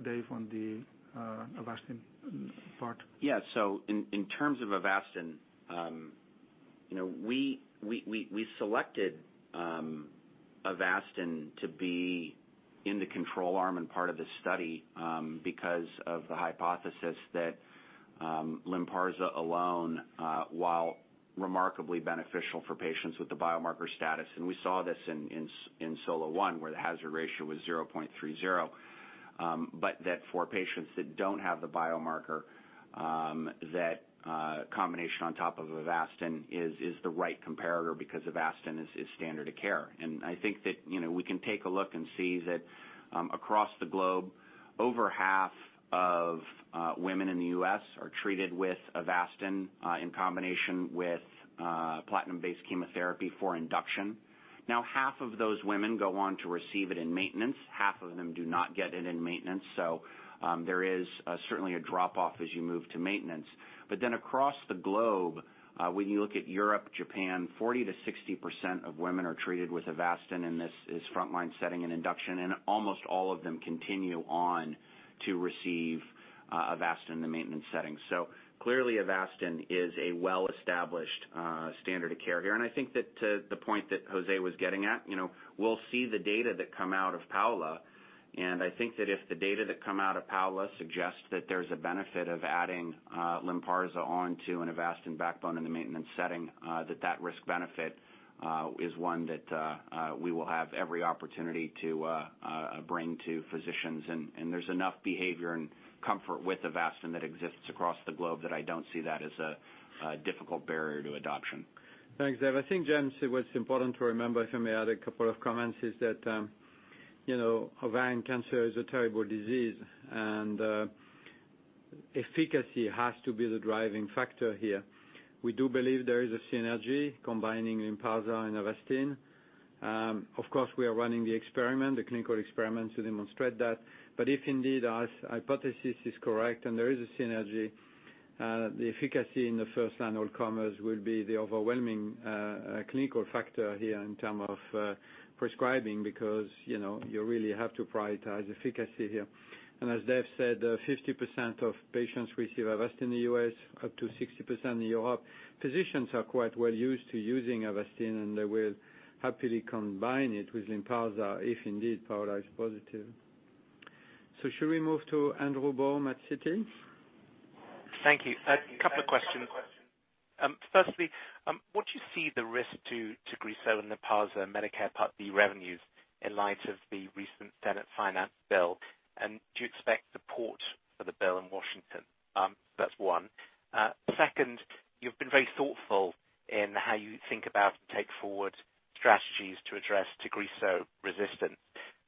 Speaker 6: Dave, on the Avastin part?
Speaker 3: In terms of Avastin, we selected Avastin to be in the control arm and part of the study because of the hypothesis that Lynparza alone, while remarkably beneficial for patients with the biomarker status, and we saw this in SOLO-1, where the hazard ratio was 0.30x, but that for patients that don't have the biomarker, that combination on top of Avastin is the right comparator because Avastin is standard of care. I think that we can take a look and see that across the globe, over half of women in the U.S. are treated with Avastin in combination with platinum-based chemotherapy for induction. Half of those women go on to receive it in maintenance. Half of them do not get it in maintenance. There is certainly a drop-off as you move to maintenance. Across the globe, when you look at Europe, Japan, 40%-60% of women are treated with Avastin, and this is frontline setting and induction, and almost all of them continue on to receive Avastin in the maintenance setting. Clearly, Avastin is a well-established standard of care here, and I think that the point that José was getting at, we'll see the data that come out of PAOLA, and I think that if the data that come out of PAOLA suggest that there's a benefit of adding Lynparza onto an Avastin backbone in the maintenance setting, that that risk-benefit is one that we will have every opportunity to bring to physicians, and there's enough behavior and comfort with Avastin that exists across the globe that I don't see that as a difficult barrier to adoption.
Speaker 2: Thanks, Dave. I think, James, what's important to remember, if I may add a couple of comments, is that ovarian cancer is a terrible disease. Efficacy has to be the driving factor here. We do believe there is a synergy combining Lynparza and Avastin. Of course, we are running the experiment, the clinical experiment, to demonstrate that. If indeed our hypothesis is correct and there is a synergy, the efficacy in the first-line all comers will be the overwhelming clinical factor here in term of prescribing, because you really have to prioritize efficacy here. As Dave said, 50% of patients receive Avastin in the U.S., up to 60% in Europe. Physicians are quite well used to using Avastin, and they will happily combine it with Lynparza, if indeed PAOLA is positive. Should we move to Andrew Baum at Citi?
Speaker 9: Thank you. A couple of questions. Firstly, what do you see the risk to Tagrisso and Lynparza Medicare Part D revenues in light of the recent Senate finance bill? Do you expect support for the bill in Washington? That's one. Second, you've been very thoughtful in how you think about and take forward strategies to address Tagrisso resistance.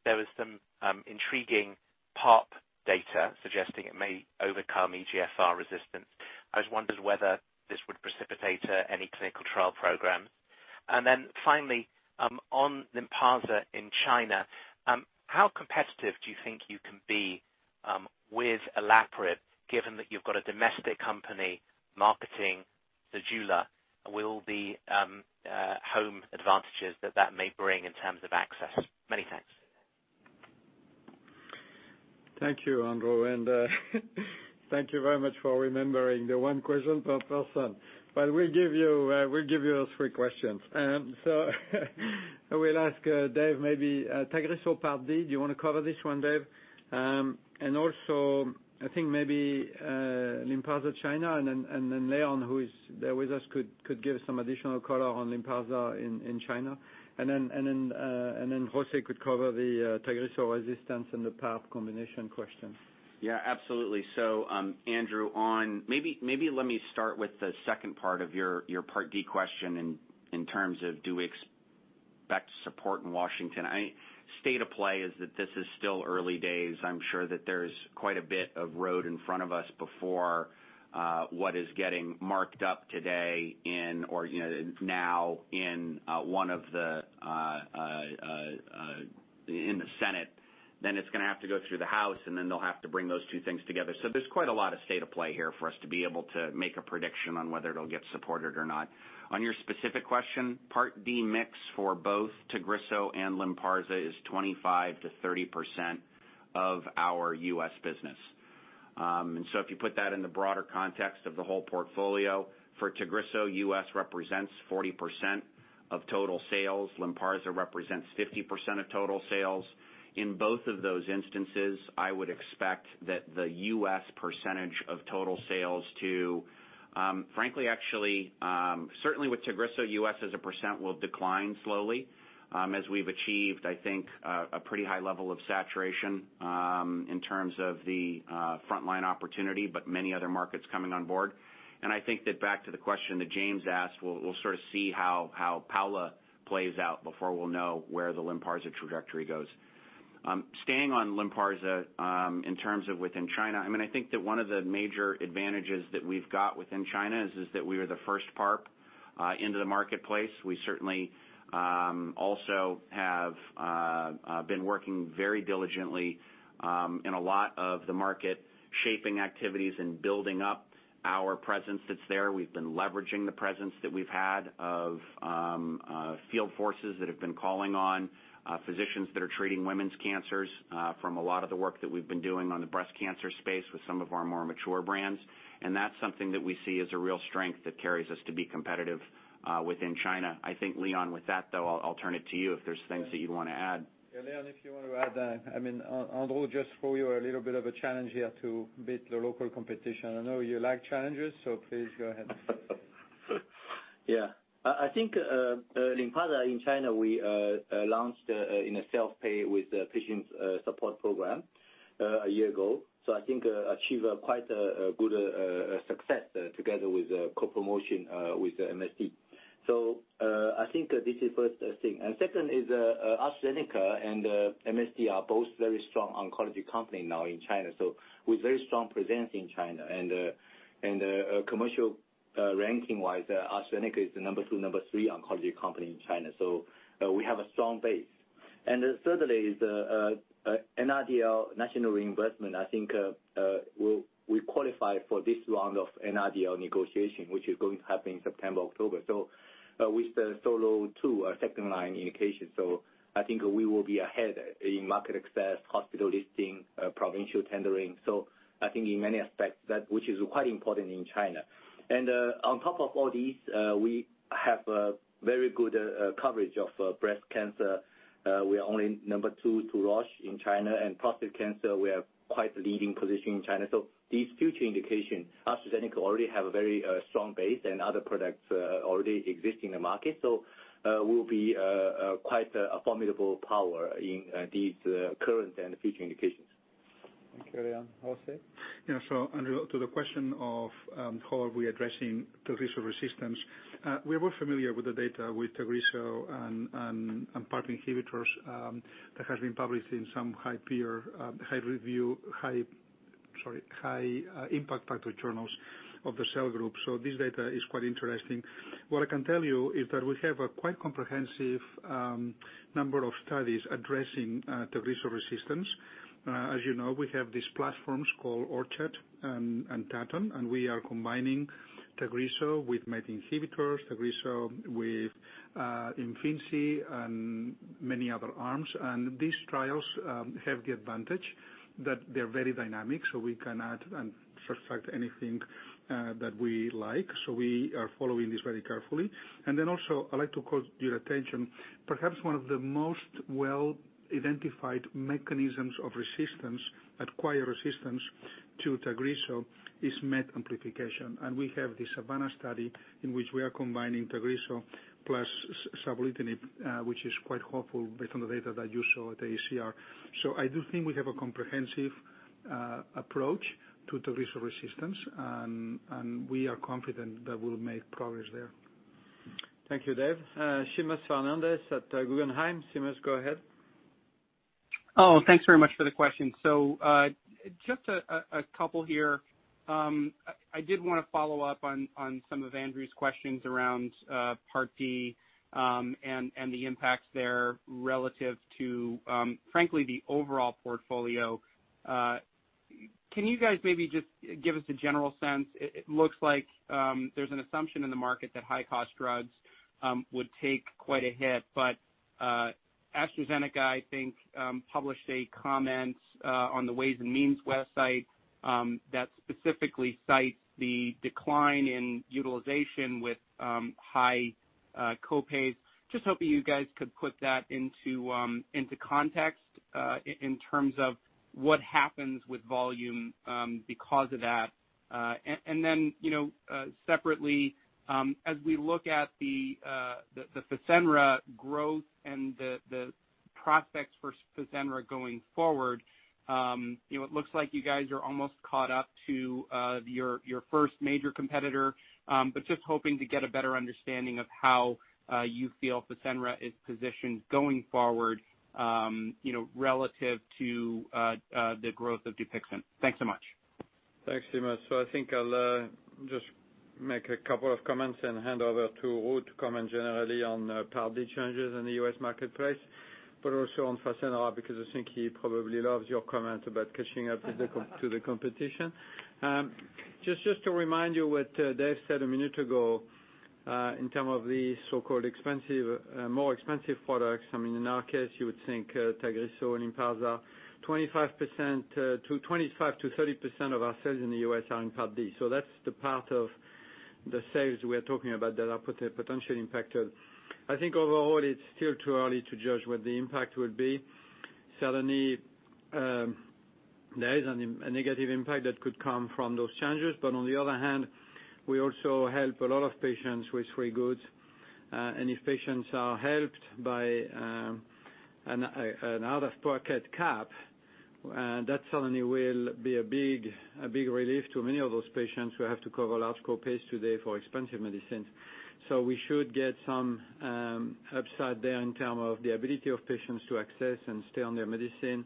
Speaker 9: There was some intriguing PARP data suggesting it may overcome EGFR resistance. I just wondered whether this would precipitate any clinical trial program. Finally, on Lynparza in China, how competitive do you think you can be with olaparib, given that you've got a domestic company marketing Zejula? Will the home advantages that may bring in terms of access? Many thanks.
Speaker 2: Thank you, Andrew, and thank you very much for remembering the one question per person. We'll give you three questions. I will ask Dave, maybe Tagrisso Medicare Part D. Do you want to cover this one, Dave? Also, I think maybe, Lynparza China, and then Leon, who is there with us, could give some additional color on Lynparza in China. José could cover the Tagrisso resistance and the PARP combination question.
Speaker 3: Absolutely. Andrew, maybe let me start with the second part of your Part D question in terms of do we expect support in Washington. State of play is that this is still early days. I'm sure that there's quite a bit of road in front of us before what is getting marked up today in, or now in the Senate. It's going to have to go through the House, and then they'll have to bring those two things together. There's quite a lot of state of play here for us to be able to make a prediction on whether it'll get supported or not. On your specific question, Part D mix for both Tagrisso and Lynparza is 25%-30% of our U.S. business. If you put that in the broader context of the whole portfolio, for Tagrisso, U.S. represents 40% of total sales. Lynparza represents 50% of total sales. In both of those instances, I would expect that the U.S. percentage of total sales to frankly, actually, certainly with Tagrisso, U.S. as a percent will decline slowly, as we've achieved, I think, a pretty high level of saturation in terms of the frontline opportunity, but many other markets coming on board. I think that back to the question that James asked, we'll sort of see how PAOLA plays out before we'll know where the Lynparza trajectory goes. Staying on Lynparza, in terms of within China, I think that one of the major advantages that we've got within China is that we were the first PARP into the marketplace. We certainly also have been working very diligently in a lot of the market, shaping activities and building up our presence that's there. We've been leveraging the presence that we've had of field forces that have been calling on physicians that are treating women's cancers, from a lot of the work that we've been doing on the breast cancer space with some of our more mature brands. That's something that we see as a real strength that carries us to be competitive within China. I think Leon, with that, though, I'll turn it to you if there's things that you'd want to add.
Speaker 2: Yeah, Leon, if you want to add. Andrew, just throw you a little bit of a challenge here to beat the local competition. I know you like challenges, please go ahead.
Speaker 10: I think, Lynparza in China, we launched in a self-pay with a patient support program one year ago. I think achieve quite a good success together with co-promotion with MSD. I think this is first thing. Second is AstraZeneca and MSD are both very strong oncology company now in China. With very strong presence in China, and commercial ranking-wise, AstraZeneca is the number two, number three oncology company in China. We have a strong base. Thirdly is NRDL, national reimbursement, I think, we qualify for this round of NRDL negotiation, which is going to happen in September, October. With SOLO-2, our second-line indication. I think we will be ahead in market access, hospital listing, provincial tendering. I think in many aspects, that which is quite important in China. On top of all these, we have a very good coverage of breast cancer. We are only number two to Roche in China, and prostate cancer, we are quite leading position in China. These future indications, AstraZeneca already have a very strong base and other products already exist in the market. We'll be quite a formidable power in these current and future indications.
Speaker 2: Thank you, Leon. José?
Speaker 6: Yeah. Andrew, to the question of how are we addressing Tagrisso resistance. We're well familiar with the data with Tagrisso and PARP inhibitors that has been published in some high peer, high review, high impact factor journals of the cell group. This data is quite interesting. What I can tell you is that we have a quite comprehensive number of studies addressing Tagrisso resistance. As you know, we have these platforms called ORCHARD and TATTON, and we are combining Tagrisso with MET inhibitors, Tagrisso with Imfinzi, and many other arms. These trials have the advantage that they're very dynamic, we can add and subtract anything that we like. We are following this very carefully. Also, I'd like to call your attention, perhaps one of the most well-identified mechanisms of acquired resistance to Tagrisso is MET amplification. We have the SAVANNAH study, in which we are combining Tagrisso plus savolitinib, which is quite hopeful based on the data that you saw at the AACR. I do think we have a comprehensive approach to Tagrisso resistance, and we are confident that we'll make progress there.
Speaker 2: Thank you, Dave. Seamus Fernandez at Guggenheim. Seamus, go ahead.
Speaker 11: Oh, thanks very much for the question. Just a couple here. I did want to follow up on some of Andrew's questions around Part D, and the impacts there relative to frankly, the overall portfolio. Can you guys maybe just give us a general sense? It looks like there's an assumption in the market that high-cost drugs would take quite a hit, but AstraZeneca, I think, published a comment on the Ways and Means website, that specifically cites the decline in utilization with high co-pays. Just hoping you guys could put that into context, in terms of what happens with volume because of that. Separately, as we look at the Fasenra growth and the prospects for Fasenra going forward. It looks like you guys are almost caught up to your first major competitor. Just hoping to get a better understanding of how you feel Fasenra is positioned going forward, relative to the growth of Dupixent. Thanks so much.
Speaker 2: Thanks, Seamus. I think I'll just make a couple of comments and hand over to Ruud to comment generally on Part D changes in the U.S. marketplace, but also on Fasenra, because I think he probably loves your comment about catching up to the competition. Just to remind you what Dave said a minute ago, in terms of the so-called more expensive products. I mean, in our case, you would think Tagrisso and Lynparza. 25%-30% of our sales in the U.S. are in Part D. That's the part of the sales we're talking about that are potentially impacted. I think overall, it's still too early to judge what the impact will be. Certainly, there is a negative impact that could come from those changes, but on the other hand, we also help a lot of patients with free goods. If patients are helped by another pocket cap, that certainly will be a big relief to many of those patients who have to cover large copays today for expensive medicines. We should get some upside there in term of the ability of patients to access and stay on their medicine.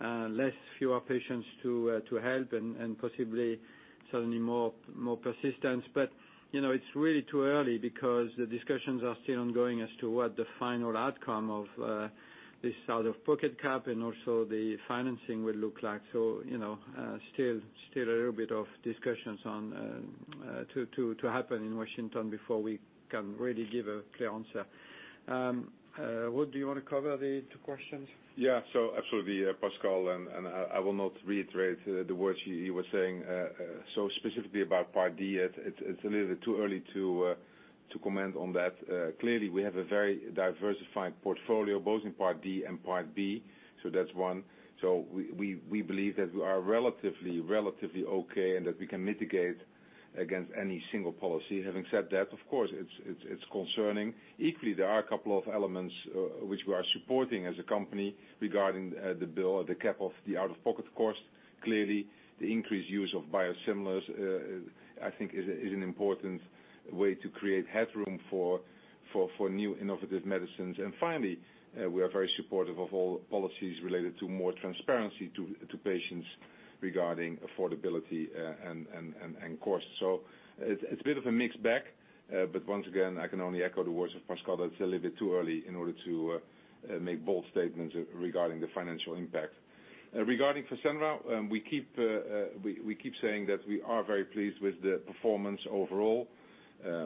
Speaker 2: Less fewer patients to help and possibly certainly more persistence. It's really too early because the discussions are still ongoing as to what the final outcome of this out-of-pocket cap and also the financing will look like. Still a little bit of discussions to happen in Washington before we can really give a clear answer. Ruud, do you want to cover the two questions?
Speaker 4: Yeah. Absolutely, Pascal, I will not reiterate the words he was saying. Specifically about Part D, it's a little bit too early to comment on that. Clearly, we have a very diversified portfolio, both in Part D and Part B. That's one. We believe that we are relatively okay, that we can mitigate against any single policy. Having said that, of course, it's concerning. Equally, there are a couple of elements which we are supporting as a company regarding the bill or the cap of the out-of-pocket cost. Clearly, the increased use of biosimilars, I think is an important way to create headroom for new innovative medicines. Finally, we are very supportive of all policies related to more transparency to patients regarding affordability and cost. It's a bit of a mixed bag. Once again, I can only echo the words of Pascal that it's a little bit too early in order to make bold statements regarding the financial impact. Regarding Fasenra, we keep saying that we are very pleased with the performance overall.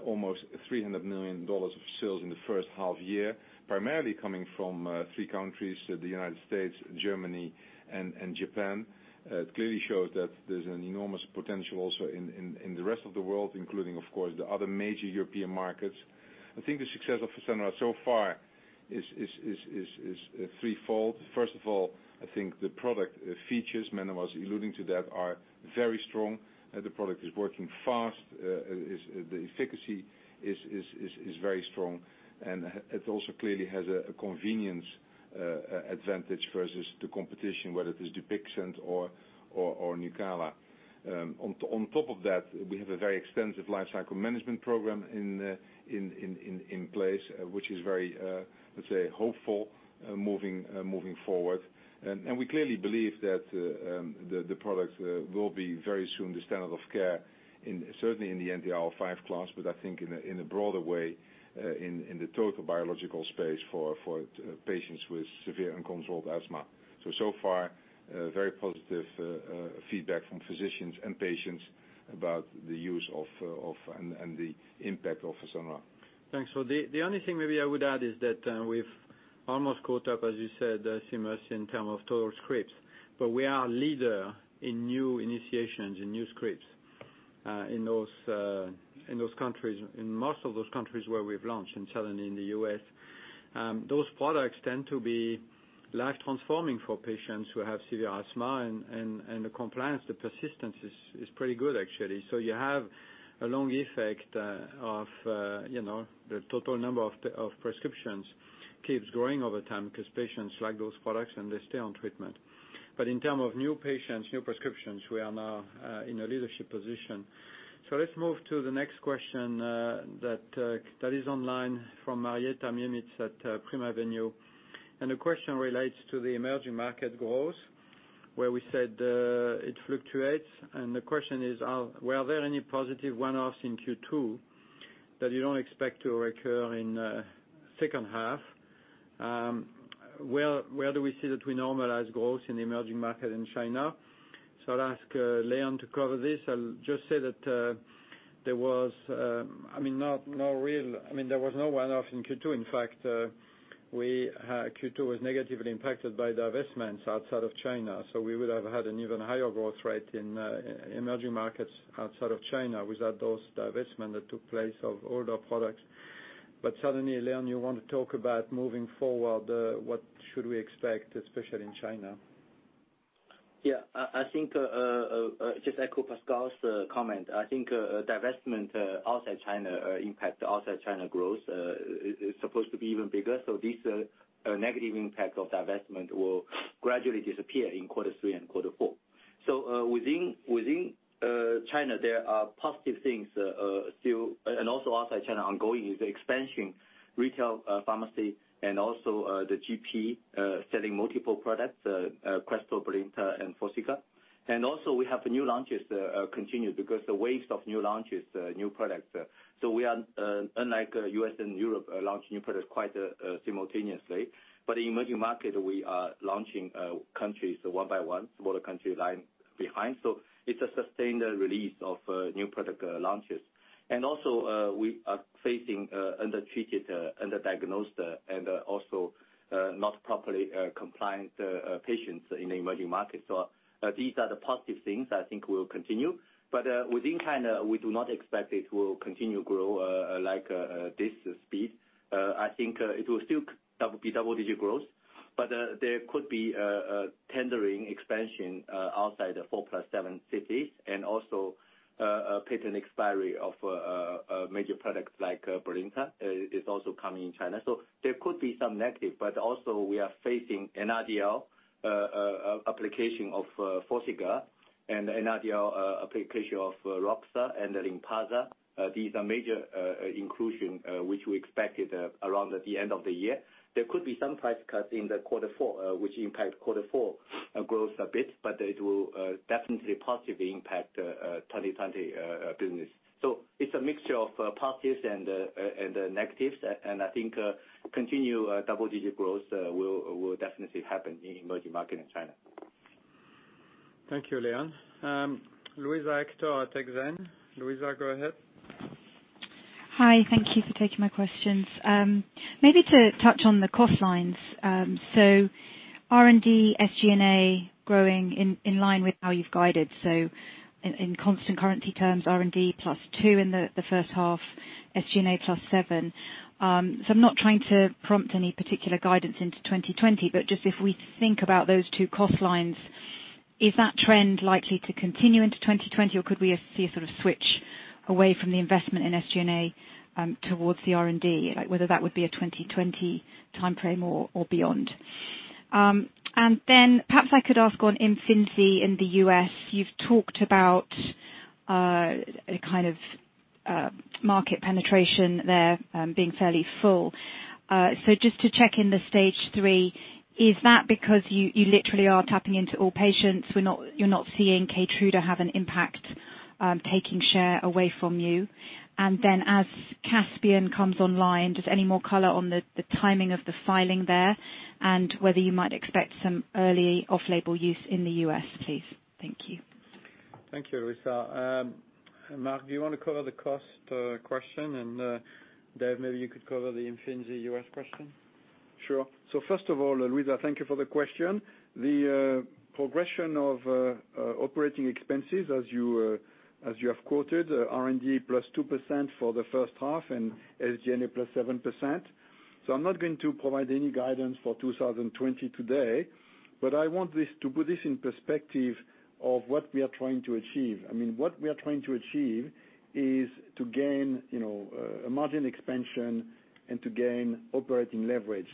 Speaker 4: Almost $300 million of sales in the first half year, primarily coming from three countries, the United States, Germany, and Japan. It clearly shows that there's an enormous potential also in the rest of the world, including, of course, the other major European markets. I think the success of Fasenra so far is threefold. First of all, I think the product features, Mene was alluding to that, are very strong. The product is working fast. The efficacy is very strong. It also clearly has a convenience advantage versus the competition, whether it is Dupixent or Nucala. On top of that, we have a very extensive life cycle management program in place, which is very, let's say, hopeful moving forward. We clearly believe that the product will be very soon the standard of care, certainly in the anti-IL-5 class, but I think in a broader way, in the total biological space for patients with severe uncontrolled asthma. So far, very positive feedback from physicians and patients about the use of and the impact of Fasenra.
Speaker 2: Thanks. The only thing maybe I would add is that we've almost caught up, as you said, Seamus, in term of total scripts. We are leader in new initiations, in new scripts, in most of those countries where we've launched, and certainly in the U.S. Those products tend to be life-transforming for patients who have severe asthma, and the compliance, the persistence is pretty good, actually. You have a long effect of the total number of prescriptions keeps growing over time because patients like those products, and they stay on treatment. In term of new patients, new prescriptions, we are now in a leadership position. Let's move to the next question that is online from Marietta Miemietz at Primavenue. The question relates to the emerging market growth, where we said it fluctuates. The question is, were there any positive one-offs in Q2 that you don't expect to recur in second half? Where do we see that we normalize growth in the emerging market in China? I'll ask Leon to cover this. I'll just say that there was no one-off in Q2. In fact, Q2 was negatively impacted by divestments outside of China, so we would have had an even higher growth rate in emerging markets outside of China without those divestment that took place of older products. Certainly, Leon, you want to talk about moving forward, what should we expect, especially in China?
Speaker 10: Yeah. I think just echo Pascal's comment. I think divestment outside China impact outside China growth is supposed to be even bigger. This negative impact of divestment will gradually disappear in quarter three and quarter four. Within China, there are positive things still, and also outside China, ongoing is expansion retail pharmacy and also the GP selling multiple products, Crestor, Brilinta, and Forxiga. We have new launches continue because the waves of new launches, new products. We are, unlike U.S. and Europe, launch new products quite simultaneously. In emerging market, we are launching countries one by one. Smaller country line behind. It's a sustained release of new product launches. We are facing undertreated, underdiagnosed, and also not properly compliant patients in the emerging market. These are the positive things I think will continue. Within China, we do not expect it will continue grow like this speed. I think it will still be double-digit growth, but there could be tendering expansion outside the 4+7 cities, and also patent expiry of major products like Brilinta is also coming in China. There could be some negative, but also we are facing NRDL application of Forxiga and NRDL application of roxa and Lynparza. These are major inclusion which we expected around the end of the year. There could be some price cut in the quarter four, which impact quarter four growth a bit, but it will definitely positively impact 2020 business. It's a mixture of positives and negatives, and I think continued double-digit growth will definitely happen in emerging market in China.
Speaker 2: Thank you, Leon. Luisa Hector at Exane. Luisa, go ahead.
Speaker 12: Hi. Thank you for taking my questions. Maybe to touch on the cost lines. R&D, SG&A growing in line with how you've guided. In constant currency terms, R&D +2% in the first half, SG&A +7%. I'm not trying to prompt any particular guidance into 2020, but just if we think about those two cost lines, is that trend likely to continue into 2020, or could we see a sort of switch away from the investment in SG&A towards the R&D? Whether that would be a 2020 timeframe or beyond. Perhaps I could ask on Imfinzi in the U.S. You've talked about a kind of market penetration there being fairly full. Just to check in the Stage 3, is that because you literally are tapping into all patients, you're not seeing Keytruda have an impact taking share away from you? As CASPIAN comes online, just any more color on the timing of the filing there and whether you might expect some early off-label use in the U.S., please. Thank you.
Speaker 2: Thank you, Luisa. Marc, do you want to cover the cost question and Dave, maybe you could cover the Imfinzi U.S. question?
Speaker 5: Sure. First of all, Luisa, thank you for the question. The progression of operating expenses, as you have quoted, R&D +2% for the first half and SG&A +7%. I'm not going to provide any guidance for 2020 today, but I want to put this in perspective of what we are trying to achieve. What we are trying to achieve is to gain a margin expansion and to gain operating leverage.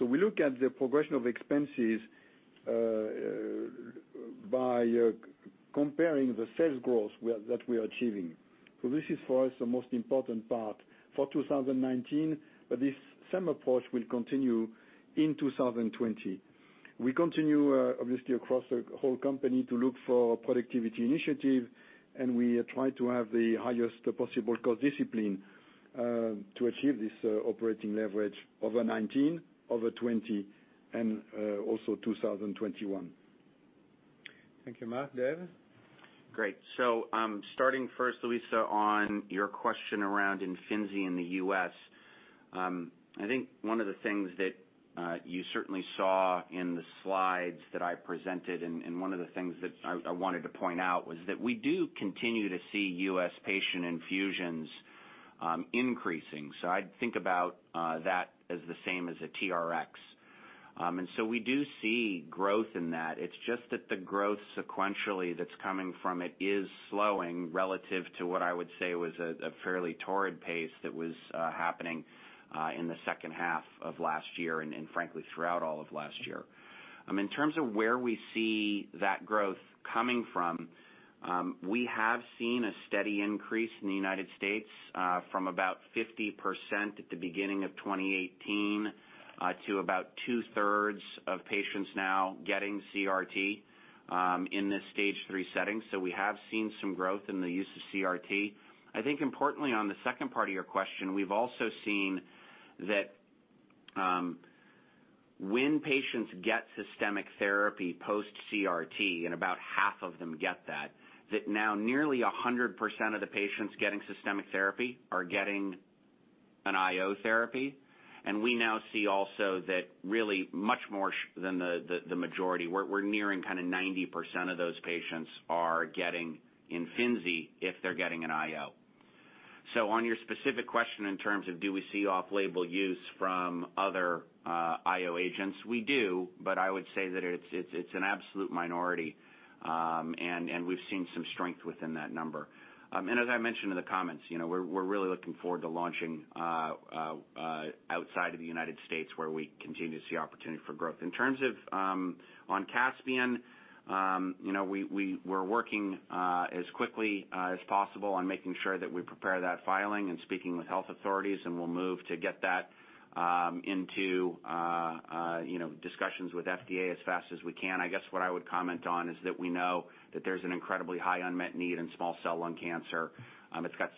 Speaker 5: We look at the progression of expenses by comparing the sales growth that we are achieving. This is, for us, the most important part for 2019, but this same approach will continue in 2020. We continue, obviously, across the whole company to look for productivity initiative, and we try to have the highest possible cost discipline to achieve this operating leverage over 2019, over 2020, and also 2021.
Speaker 2: Thank you, Marc. Dave?
Speaker 3: Starting first, Luisa, on your question around Imfinzi in the U.S. I think one of the things that you certainly saw in the slides that I presented, and one of the things that I wanted to point out, was that we do continue to see U.S. patient infusions increasing. I'd think about that as the same as a TRx. We do see growth in that. It's just that the growth sequentially that's coming from it is slowing relative to what I would say was a fairly torrid pace that was happening in the second half of last year and frankly, throughout all of last year. In terms of where we see that growth coming from, we have seen a steady increase in the United States from about 50% at the beginning of 2018 to about 2/3 of patients now getting CRT in this Stage 3 setting. We have seen some growth in the use of CRT. I think importantly, on the second part of your question, we've also seen that when patients get systemic therapy post CRT, and about half of them get that now nearly 100% of the patients getting systemic therapy are getting an IO therapy. We now see also that really much more than the majority, we're nearing kind of 90% of those patients are getting Imfinzi if they're getting an IO. On your specific question in terms of do we see off-label use from other IO agents, we do, but I would say that it's an absolute minority, and we've seen some strength within that number. As I mentioned in the comments, we're really looking forward to launching outside of the United States, where we continue to see opportunity for growth. In terms of CASPIAN, we're working as quickly as possible on making sure that we prepare that filing and speaking with health authorities, and we'll move to get that into discussions with FDA as fast as we can. I guess what I would comment on is that we know that there's an incredibly high unmet need in small cell lung cancer. It's got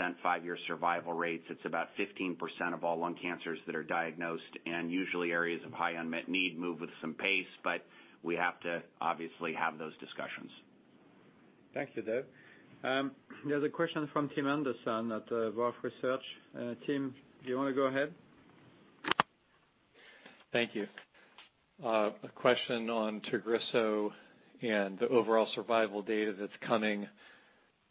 Speaker 3: 6% five-year survival rates. It's about 15% of all lung cancers that are diagnosed, and usually areas of high unmet need move with some pace, but we have to obviously have those discussions.
Speaker 2: Thank you, Dave. There's a question from Tim Anderson at Wolfe Research. Tim, do you want to go ahead?
Speaker 13: Thank you. A question on Tagrisso and the overall survival data that's coming,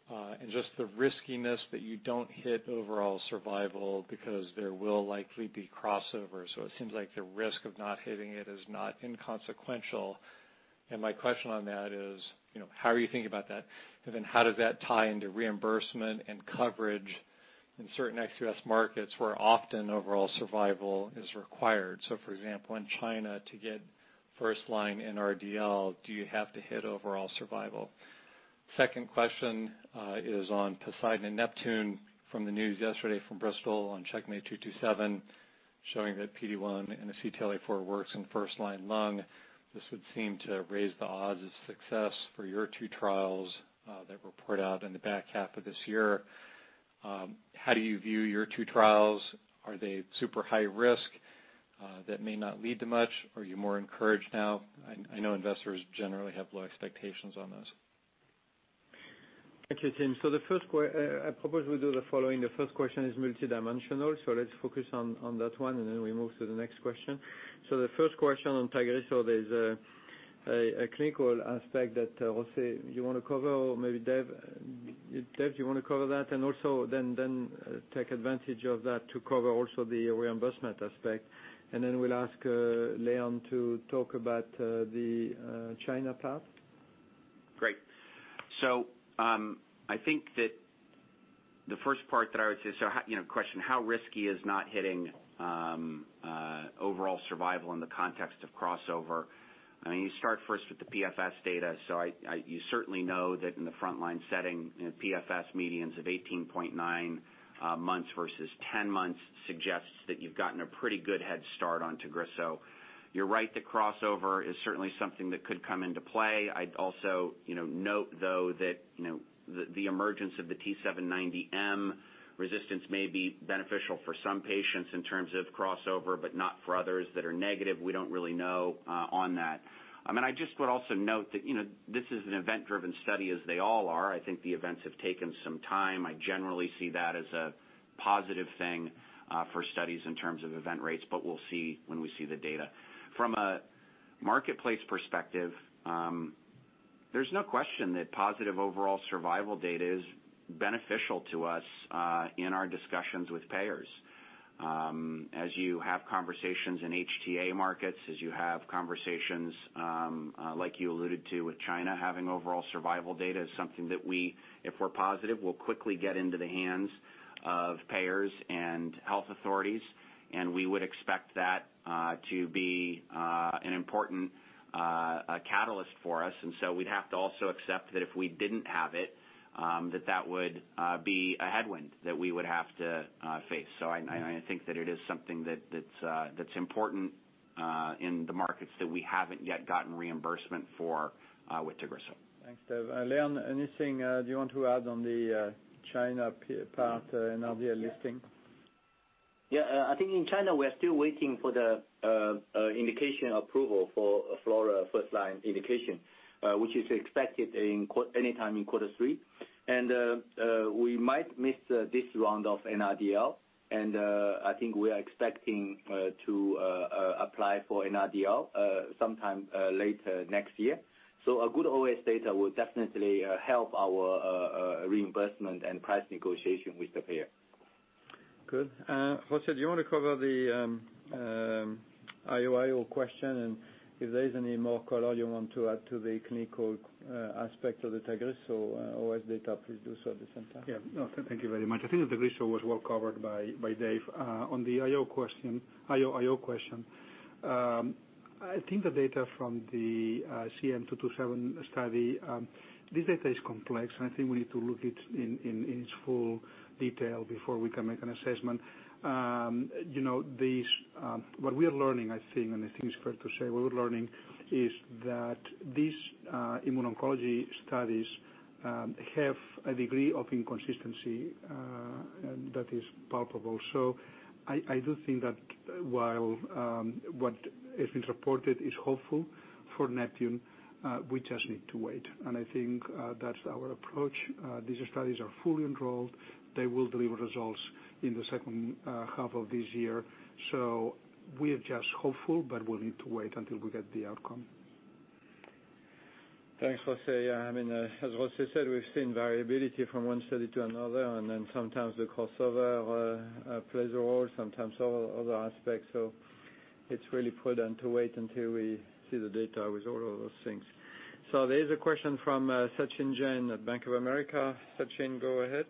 Speaker 13: and just the riskiness that you don't hit overall survival because there will likely be crossover. It seems like the risk of not hitting it is not inconsequential. My question on that is how are you thinking about that? How does that tie into reimbursement and coverage in certain ex-U.S. markets where often overall survival is required? For example, in China, to get first-line in NRDL, do you have to hit overall survival? Second question is on POSEIDON and NEPTUNE from the news yesterday from Bristol on CheckMate 227 showing that PD-1 and CTLA-4 works in first-line lung. This would seem to raise the odds of success for your two trials that report out in the back half of this year. How do you view your two trials? Are they super high risk that may not lead to much? Are you more encouraged now? I know investors generally have low expectations on this.
Speaker 2: Thank you, Tim. I propose we do the following. The first question is multidimensional, so let's focus on that one, and then we move to the next question. The first question on Tagrisso, there's a clinical aspect that, José, you want to cover? Maybe Dave. Dave, do you want to cover that? Also then take advantage of that to cover also the reimbursement aspect. Then we'll ask Leon to talk about the China path.
Speaker 3: Great. I think that the first part that I would say, how risky is not hitting overall survival in the context of crossover? You start first with the PFS data. You certainly know that in the frontline setting, PFS medians of 18.9 months versus 10 months suggests that you've gotten a pretty good head start on Tagrisso. You're right that crossover is certainly something that could come into play. I'd also note, though, that the emergence of the T790M resistance may be beneficial for some patients in terms of crossover, but not for others that are negative. We don't really know on that. I just would also note that this is an event-driven study, as they all are. I think the events have taken some time. I generally see that as a positive thing for studies in terms of event rates, but we'll see when we see the data. From a marketplace perspective, there's no question that positive overall survival data is beneficial to us in our discussions with payers. As you have conversations in HTA markets, as you have conversations, like you alluded to with China, having overall survival data is something that we, if we're positive, will quickly get into the hands of and health authorities, and we would expect that to be an important catalyst for us. We'd have to also accept that if we didn't have it, that would be a headwind that we would have to face. I think that it is something that's important in the markets that we haven't yet gotten reimbursement for with Tagrisso.
Speaker 2: Thanks, Dave. Leon, anything do you want to add on the China part, NRDL listing?
Speaker 10: Yeah. I think in China, we are still waiting for the indication approval for FLAURA first line indication, which is expected any time in quarter three. We might miss this round of NRDL, and I think we are expecting to apply for NRDL sometime later next year. A good OS data will definitely help our reimbursement and price negotiation with the payer.
Speaker 2: Good. José, do you want to cover the IO-IO question and if there is any more color you want to add to the clinical aspect of the Tagrisso OS data, please do so at the same time.
Speaker 6: Thank you very much. I think that Tagrisso was well covered by Dave. On the IO-IO question, I think the data from the CM 227 study, this data is complex, and I think we need to look at it in its full detail before we can make an assessment. What we are learning, I think, and I think it's fair to say what we're learning is that these immuno-oncology studies have a degree of inconsistency that is palpable. I do think that while what has been reported is hopeful for NEPTUNE, we just need to wait. I think that's our approach. These studies are fully enrolled. They will deliver results in the second half of this year. We are just hopeful, but we'll need to wait until we get the outcome.
Speaker 2: Thanks, José. Yeah, as José said, we've seen variability from one study to another, and then sometimes the crossover plays a role, sometimes other aspects. It's really prudent to wait until we see the data with all of those things. There's a question from Sachin Jain at Bank of America. Sachin, go ahead.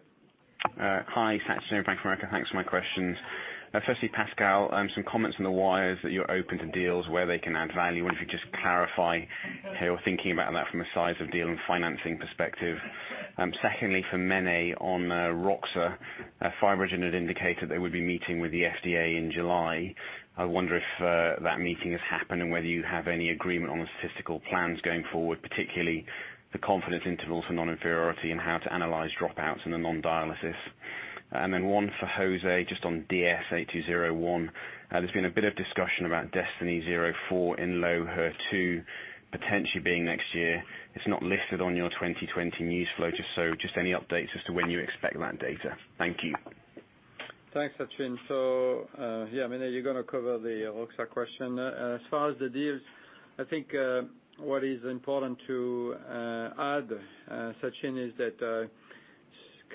Speaker 14: Hi, Sachin, Bank of America. Thanks. My questions, especially Pascal, some comments on the wires that you're open to deals where they can add value. If you could just clarify how you're thinking about that from a size of deal and financing perspective. Secondly, for Mene on roxadustat, FibroGen had indicated they would be meeting with the FDA in July. I wonder if that meeting has happened and whether you have any agreement on the statistical plans going forward, particularly the confidence intervals for non-inferiority and how to analyze dropouts in the non-dialysis. One for José, just on DS-8201. There's been a bit of discussion about DESTINY-Breast04 in low HER2 potentially being next year. It's not listed on your 2020 news flow. Just any updates as to when you expect that data. Thank you.
Speaker 2: Thanks, Sachin. Yeah, Mene, you're going to cover the roxadustat question. As far as the deals, I think what is important to add, Sachin, is that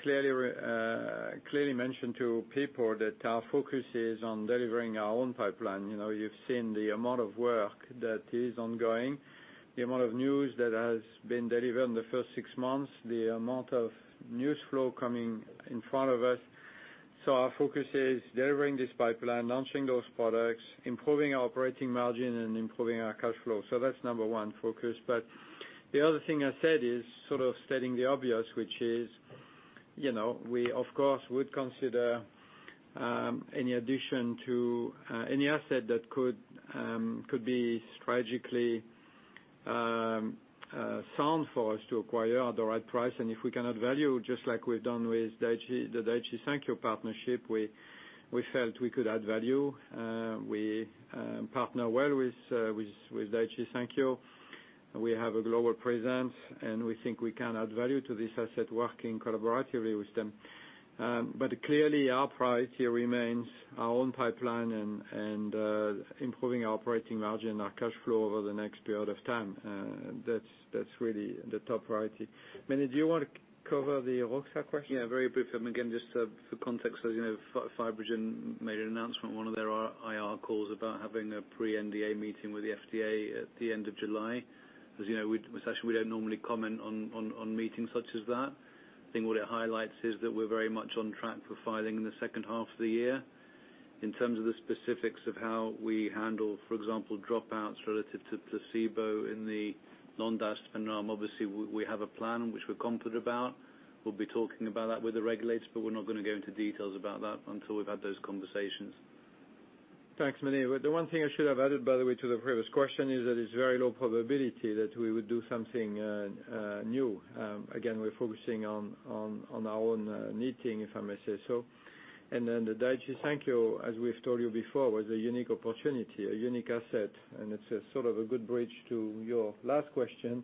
Speaker 2: clearly mention to people that our focus is on delivering our own pipeline. You've seen the amount of work that is ongoing, the amount of news that has been delivered in the first six months, the amount of news flow coming in front of us. Our focus is delivering this pipeline, launching those products, improving our operating margin, and improving our cash flow. That's number one focus. The other thing I said is sort of stating the obvious, which is, we of course, would consider any addition to any asset that could be strategically sound for us to acquire at the right price. If we cannot value, just like we've done with the Daiichi Sankyo partnership, we felt we could add value. We partner well with Daiichi Sankyo. We have a global presence, and we think we can add value to this asset, working collaboratively with them. Clearly our priority remains our own pipeline and improving our operating margin and our cash flow over the next period of time. That's really the top priority. Mene, do you want to cover the Roxa question?
Speaker 7: Yeah, very briefly. Again, just for context, as you know, FibroGen made an announcement on one of their IR calls about having a pre-NDA meeting with the FDA at the end of July. As you know, we don't normally comment on meetings such as that. I think what it highlights is that we're very much on track for filing in the second half of the year. In terms of the specifics of how we handle, for example, dropouts relative to placebo in the non-DAS phenotype, obviously, we have a plan which we're confident about. We'll be talking about that with the regulators, but we're not going to go into details about that until we've had those conversations.
Speaker 2: Thanks, Mene. The one thing I should have added, by the way, to the previous question is that it's very low probability that we would do something new. Again, we're focusing on our own knitting, if I may say so. The Daiichi Sankyo, as we've told you before, was a unique opportunity, a unique asset, and it's sort of a good bridge to your last question.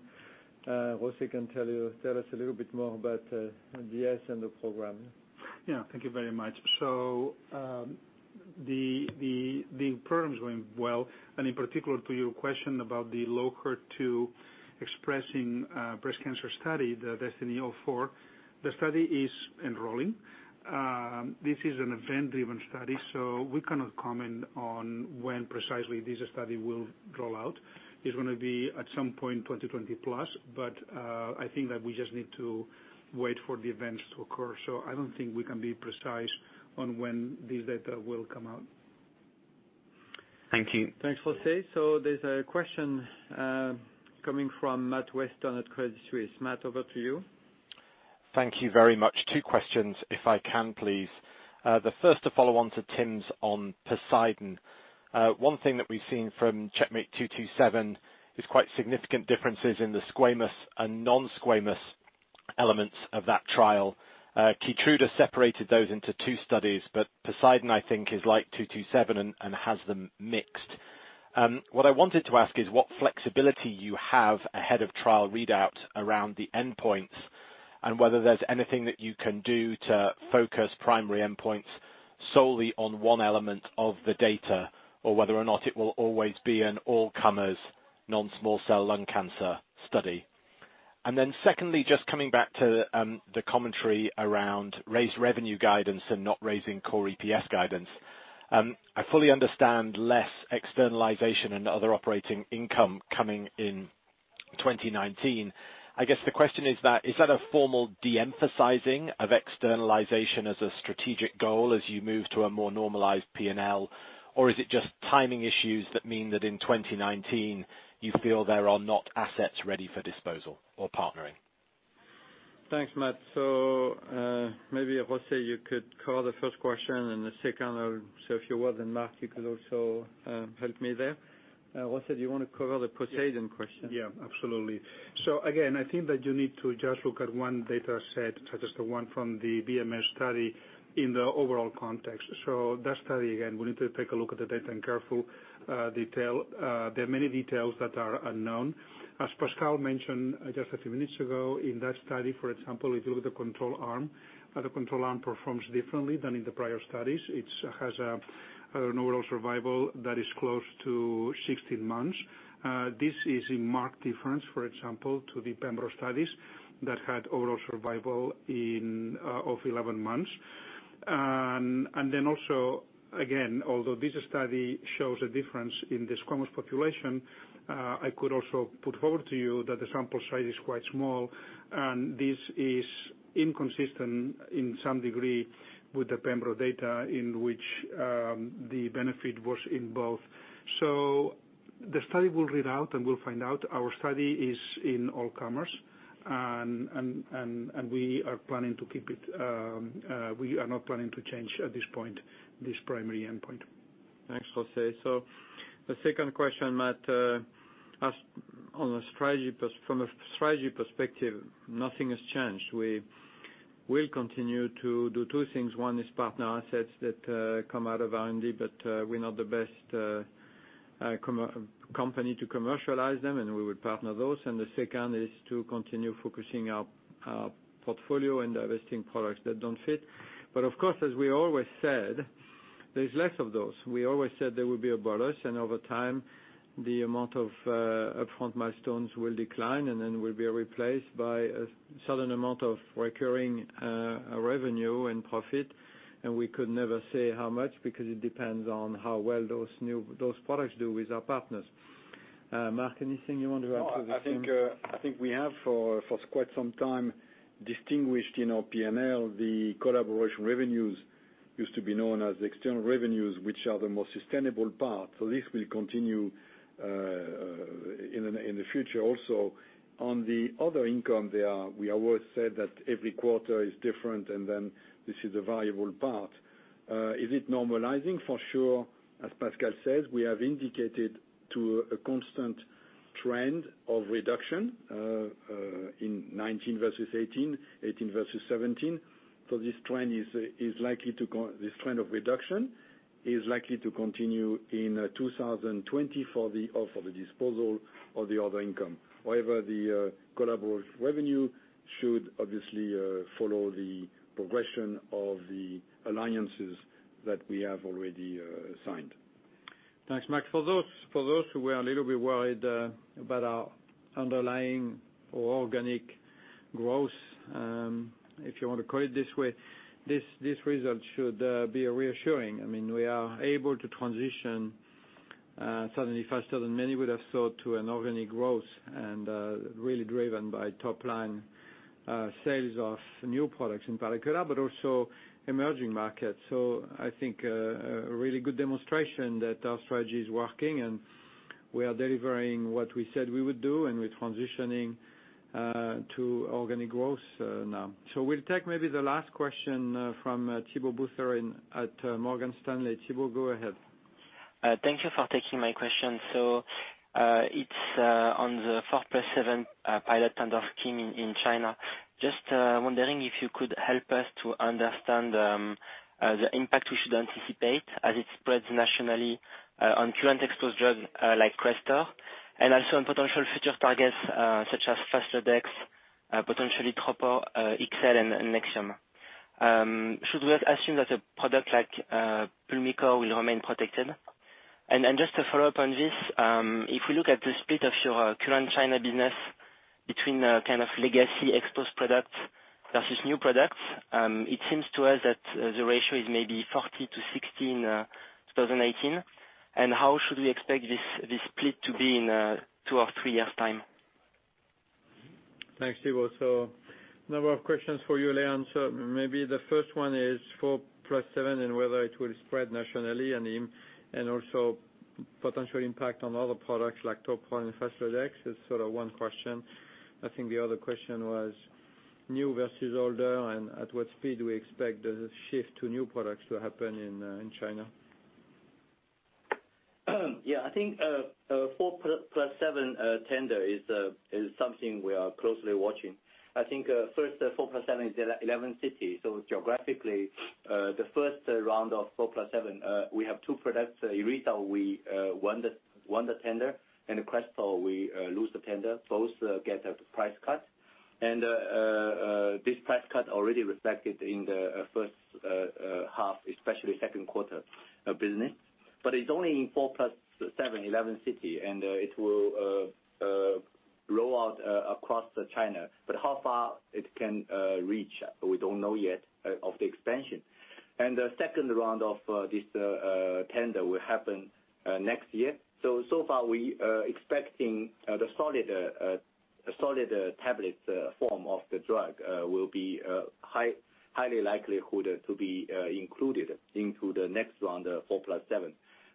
Speaker 2: José can tell us a little bit more about DS and the program.
Speaker 6: Yeah. Thank you very much. The program's going well. In particular to your question about the low HER2 expressing breast cancer study, the DESTINY-Breast04, the study is enrolling. This is an event-driven study, we cannot comment on when precisely this study will roll out. It's going to be at some point 2020+. I think that we just need to wait for the events to occur. I don't think we can be precise on when this data will come out. Thank you.
Speaker 2: Thanks, José. There's a question coming from Matt Weston at Credit Suisse. Matt, over to you.
Speaker 15: Thank you very much. Two questions if I can please. The first, a follow-on to Tim's on POSEIDON. One thing that we've seen from CheckMate 227 is quite significant differences in the squamous and non-squamous elements of that trial. Keytruda separated those into two studies, but POSEIDON, I think is like CM 227 and has them mixed. What I wanted to ask is what flexibility you have ahead of trial readout around the endpoints, and whether there's anything that you can do to focus primary endpoints solely on one element of the data, or whether or not it will always be an all-comers, non-small cell lung cancer study. Secondly, just coming back to the commentary around raised revenue guidance and not raising core EPS guidance. I fully understand less externalization and other operating income coming in 2019. I guess the question is that a formal de-emphasizing of externalization as a strategic goal as you move to a more normalized P&L? Is it just timing issues that mean that in 2019, you feel there are not assets ready for disposal or partnering?
Speaker 2: Thanks, Matt. Maybe José, you could cover the first question and the second, I'll say if you would, then Marc, you could also help me there. José, do you want to cover the POSEIDON question?
Speaker 6: Absolutely. Again, I think that you need to just look at one data set, such as the one from the BMS study in the overall context. That study, again, we need to take a look at the data in careful detail. There are many details that are unknown. As Pascal mentioned just a few minutes ago, in that study, for example, if you look at the control arm, how the control arm performs differently than in the prior studies. It has an overall survival that is close to 16 months. This is a marked difference, for example, to the pembro studies that had overall survival of 11 months. Also, again, although this study shows a difference in the squamous population, I could also put forward to you that the sample size is quite small, and this is inconsistent in some degree with the pembro data in which the benefit was in both. The study will read out, and we'll find out. Our study is in all comers, and we are planning to keep it. We are not planning to change at this point, this primary endpoint.
Speaker 2: Thanks, José. The second question, Matt, from a strategy perspective, nothing has changed. We will continue to do two things. One is partner assets that come out of R&D, but we're not the best company to commercialize them, and we would partner those. The second is to continue focusing our portfolio and divesting products that don't fit. Of course, as we always said, there's less of those. We always said there will be a balance, and over time, the amount of upfront milestones will decline, and then will be replaced by a certain amount of recurring revenue and profit. We could never say how much, because it depends on how well those products do with our partners. Marc, anything you want to add to this?
Speaker 5: No, I think we have for quite some time distinguished in our P&L, the collaboration revenues used to be known as external revenues, which are the most sustainable part. This will continue in the future also. On the other income, we always said that every quarter is different, and then this is a variable part. Is it normalizing? For sure. As Pascal says, we have indicated to a constant trend of reduction, in 2019 versus 2018 versus 2017. This trend of reduction is likely to continue in 2020 for the disposal of the other income. The collaborative revenue should obviously follow the progression of the alliances that we have already signed.
Speaker 2: Thanks, Marc. For those who were a little bit worried about our underlying or organic growth, if you want to call it this way, this result should be reassuring. We are able to transition suddenly faster than many would have thought to an organic growth and really driven by top-line sales of new products in particular, but also emerging markets. I think a really good demonstration that our strategy is working, and we are delivering what we said we would do, and we are transitioning to organic growth now. We will take maybe the last question from Thibault Boutherin at Morgan Stanley. Thibault, go ahead.
Speaker 16: Thank you for taking my question. It's on the 4+7 Pilot Tender Scheme in China. Just wondering if you could help us to understand the impact we should anticipate as it spreads nationally on current exposed drugs like Crestor, and also on potential future targets, such as Faslodex, potentially Toprol-XL and Nexium. Should we assume that a product like Pulmicort will remain protected? Just to follow up on this, if we look at the split of your current China business between legacy exposed products versus new products, it seems to us that the ratio is maybe 40:60 in 2018. How should we expect this split to be in two or three years time?
Speaker 2: Thanks, Thibault. Number of questions for you, Leon. Maybe the first one is 4+7 and whether it will spread nationally and also potential impact on other products like Toprol-XL and Faslodex is sort of one question. I think the other question was new versus older, and at what speed we expect the shift to new products to happen in China.
Speaker 10: 4+7 tender is something we are closely watching. First, 4+7 is 11 cities. Geographically, the first round of 4+7, we have two products. Iressa, we won the tender, and Crestor, we lose the tender. Both get a price cut. This price cut already reflected in the first half, especially second quarter business. It's only in 4+7, 11 city, it will roll out across China. How far it can reach, we don't know yet of the expansion. The second round of this tender will happen next year. So far we are expecting the solid tablet form of the drug will be highly likelihood to be included into the next round of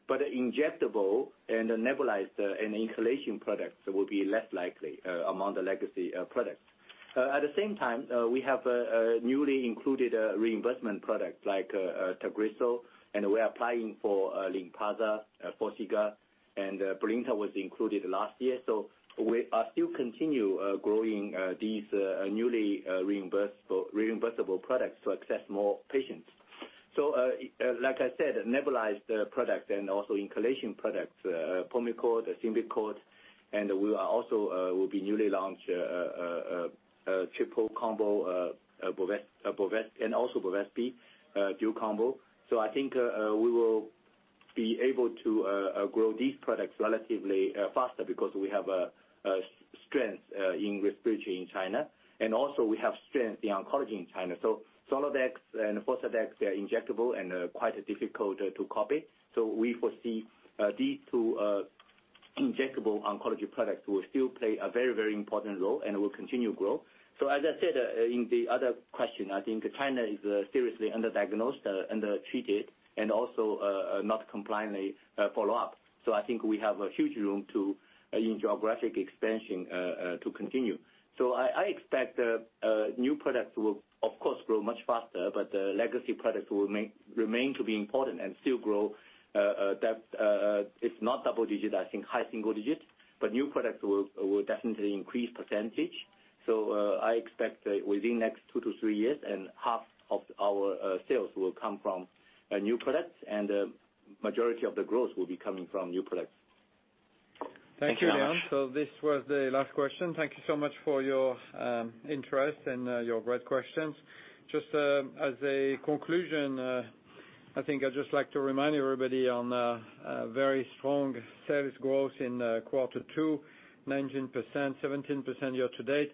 Speaker 10: 4+7. Injectable and nebulized and inhalation products will be less likely among the legacy products. At the same time, we have newly included reimbursement products like Tagrisso, and we are applying for Lynparza, Forxiga, and Brilinta was included last year. We are still continue growing these newly reimbursable products to access more patients. like I said, nebulized products and also inhalation products, Pulmicort, Symbicort, and we are also will be newly launch a triple combo, Breztri and also Bevespi dual combo. I think we will be able to grow these products relatively faster because we have a strength in respiratory in China and also we have strength in oncology in China. Zoladex and Faslodex, they are injectable and quite difficult to copy. We foresee these two injectable oncology products will still play a very important role and will continue growth. As I said in the other question, I think China is seriously underdiagnosed, undertreated, and also not compliantly follow up. I think we have a huge room to in geographic expansion to continue. I expect new products will, of course, grow much faster, but the legacy products will remain to be important and still grow. That if not double-digit, I think high single-digit, but new products will definitely increase percentage. I expect within next two to three years and half of our sales will come from new products and majority of the growth will be coming from new products.
Speaker 2: Thank you, Leon.
Speaker 10: Thank you very much.
Speaker 2: This was the last question. Thank you so much for your interest and your great questions. I'd just like to remind everybody on very strong sales growth in quarter two, 19%, 17% year-to-date.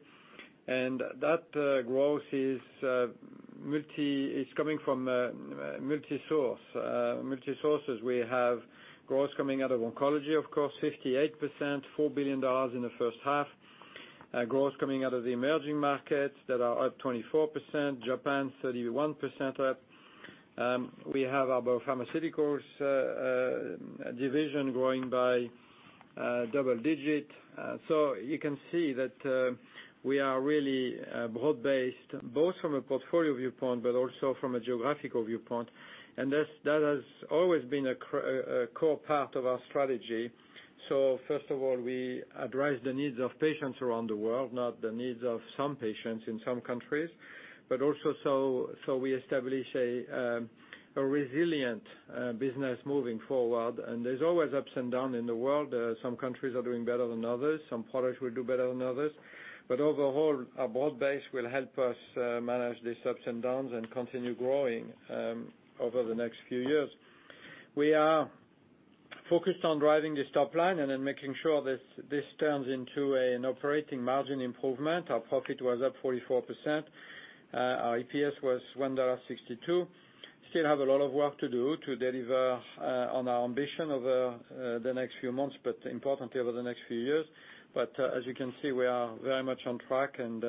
Speaker 2: That growth is coming from multi-sources. We have growth coming out of oncology, of course, 58%, $4 billion in the first half. Growth coming out of the emerging markets that are up 24%, Japan 31% up. We have our BioPharmaceuticals division growing by double-digit. You can see that we are really broad-based, both from a portfolio viewpoint, but also from a geographical viewpoint. That has always been a core part of our strategy First of all, we address the needs of patients around the world, not the needs of some patients in some countries, but also we establish a resilient business moving forward. There's always ups and downs in the world. Some countries are doing better than others. Some products will do better than others. Overall, our broad base will help us manage these ups and downs and continue growing over the next few years. We are focused on driving this top line and then making sure this turns into an operating margin improvement. Our profit was up 44%. Our EPS was $1.62. We still have a lot of work to do to deliver on our ambition over the next few months, but importantly, over the next few years. As you can see, we are very much on track and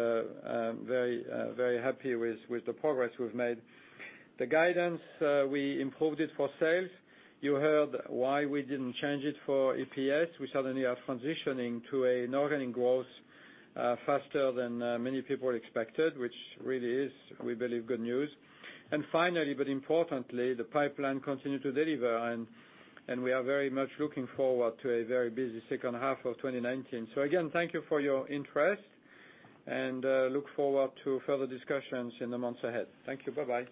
Speaker 2: very happy with the progress we've made. The guidance we improved it for sales. You heard why we didn't change it for EPS. We suddenly are transitioning to an organic growth faster than many people expected, which really is, we believe, good news. Finally, but importantly, the pipeline continue to deliver and we are very much looking forward to a very busy second half of 2019. Again, thank you for your interest and look forward to further discussions in the months ahead. Thank you. Bye-bye.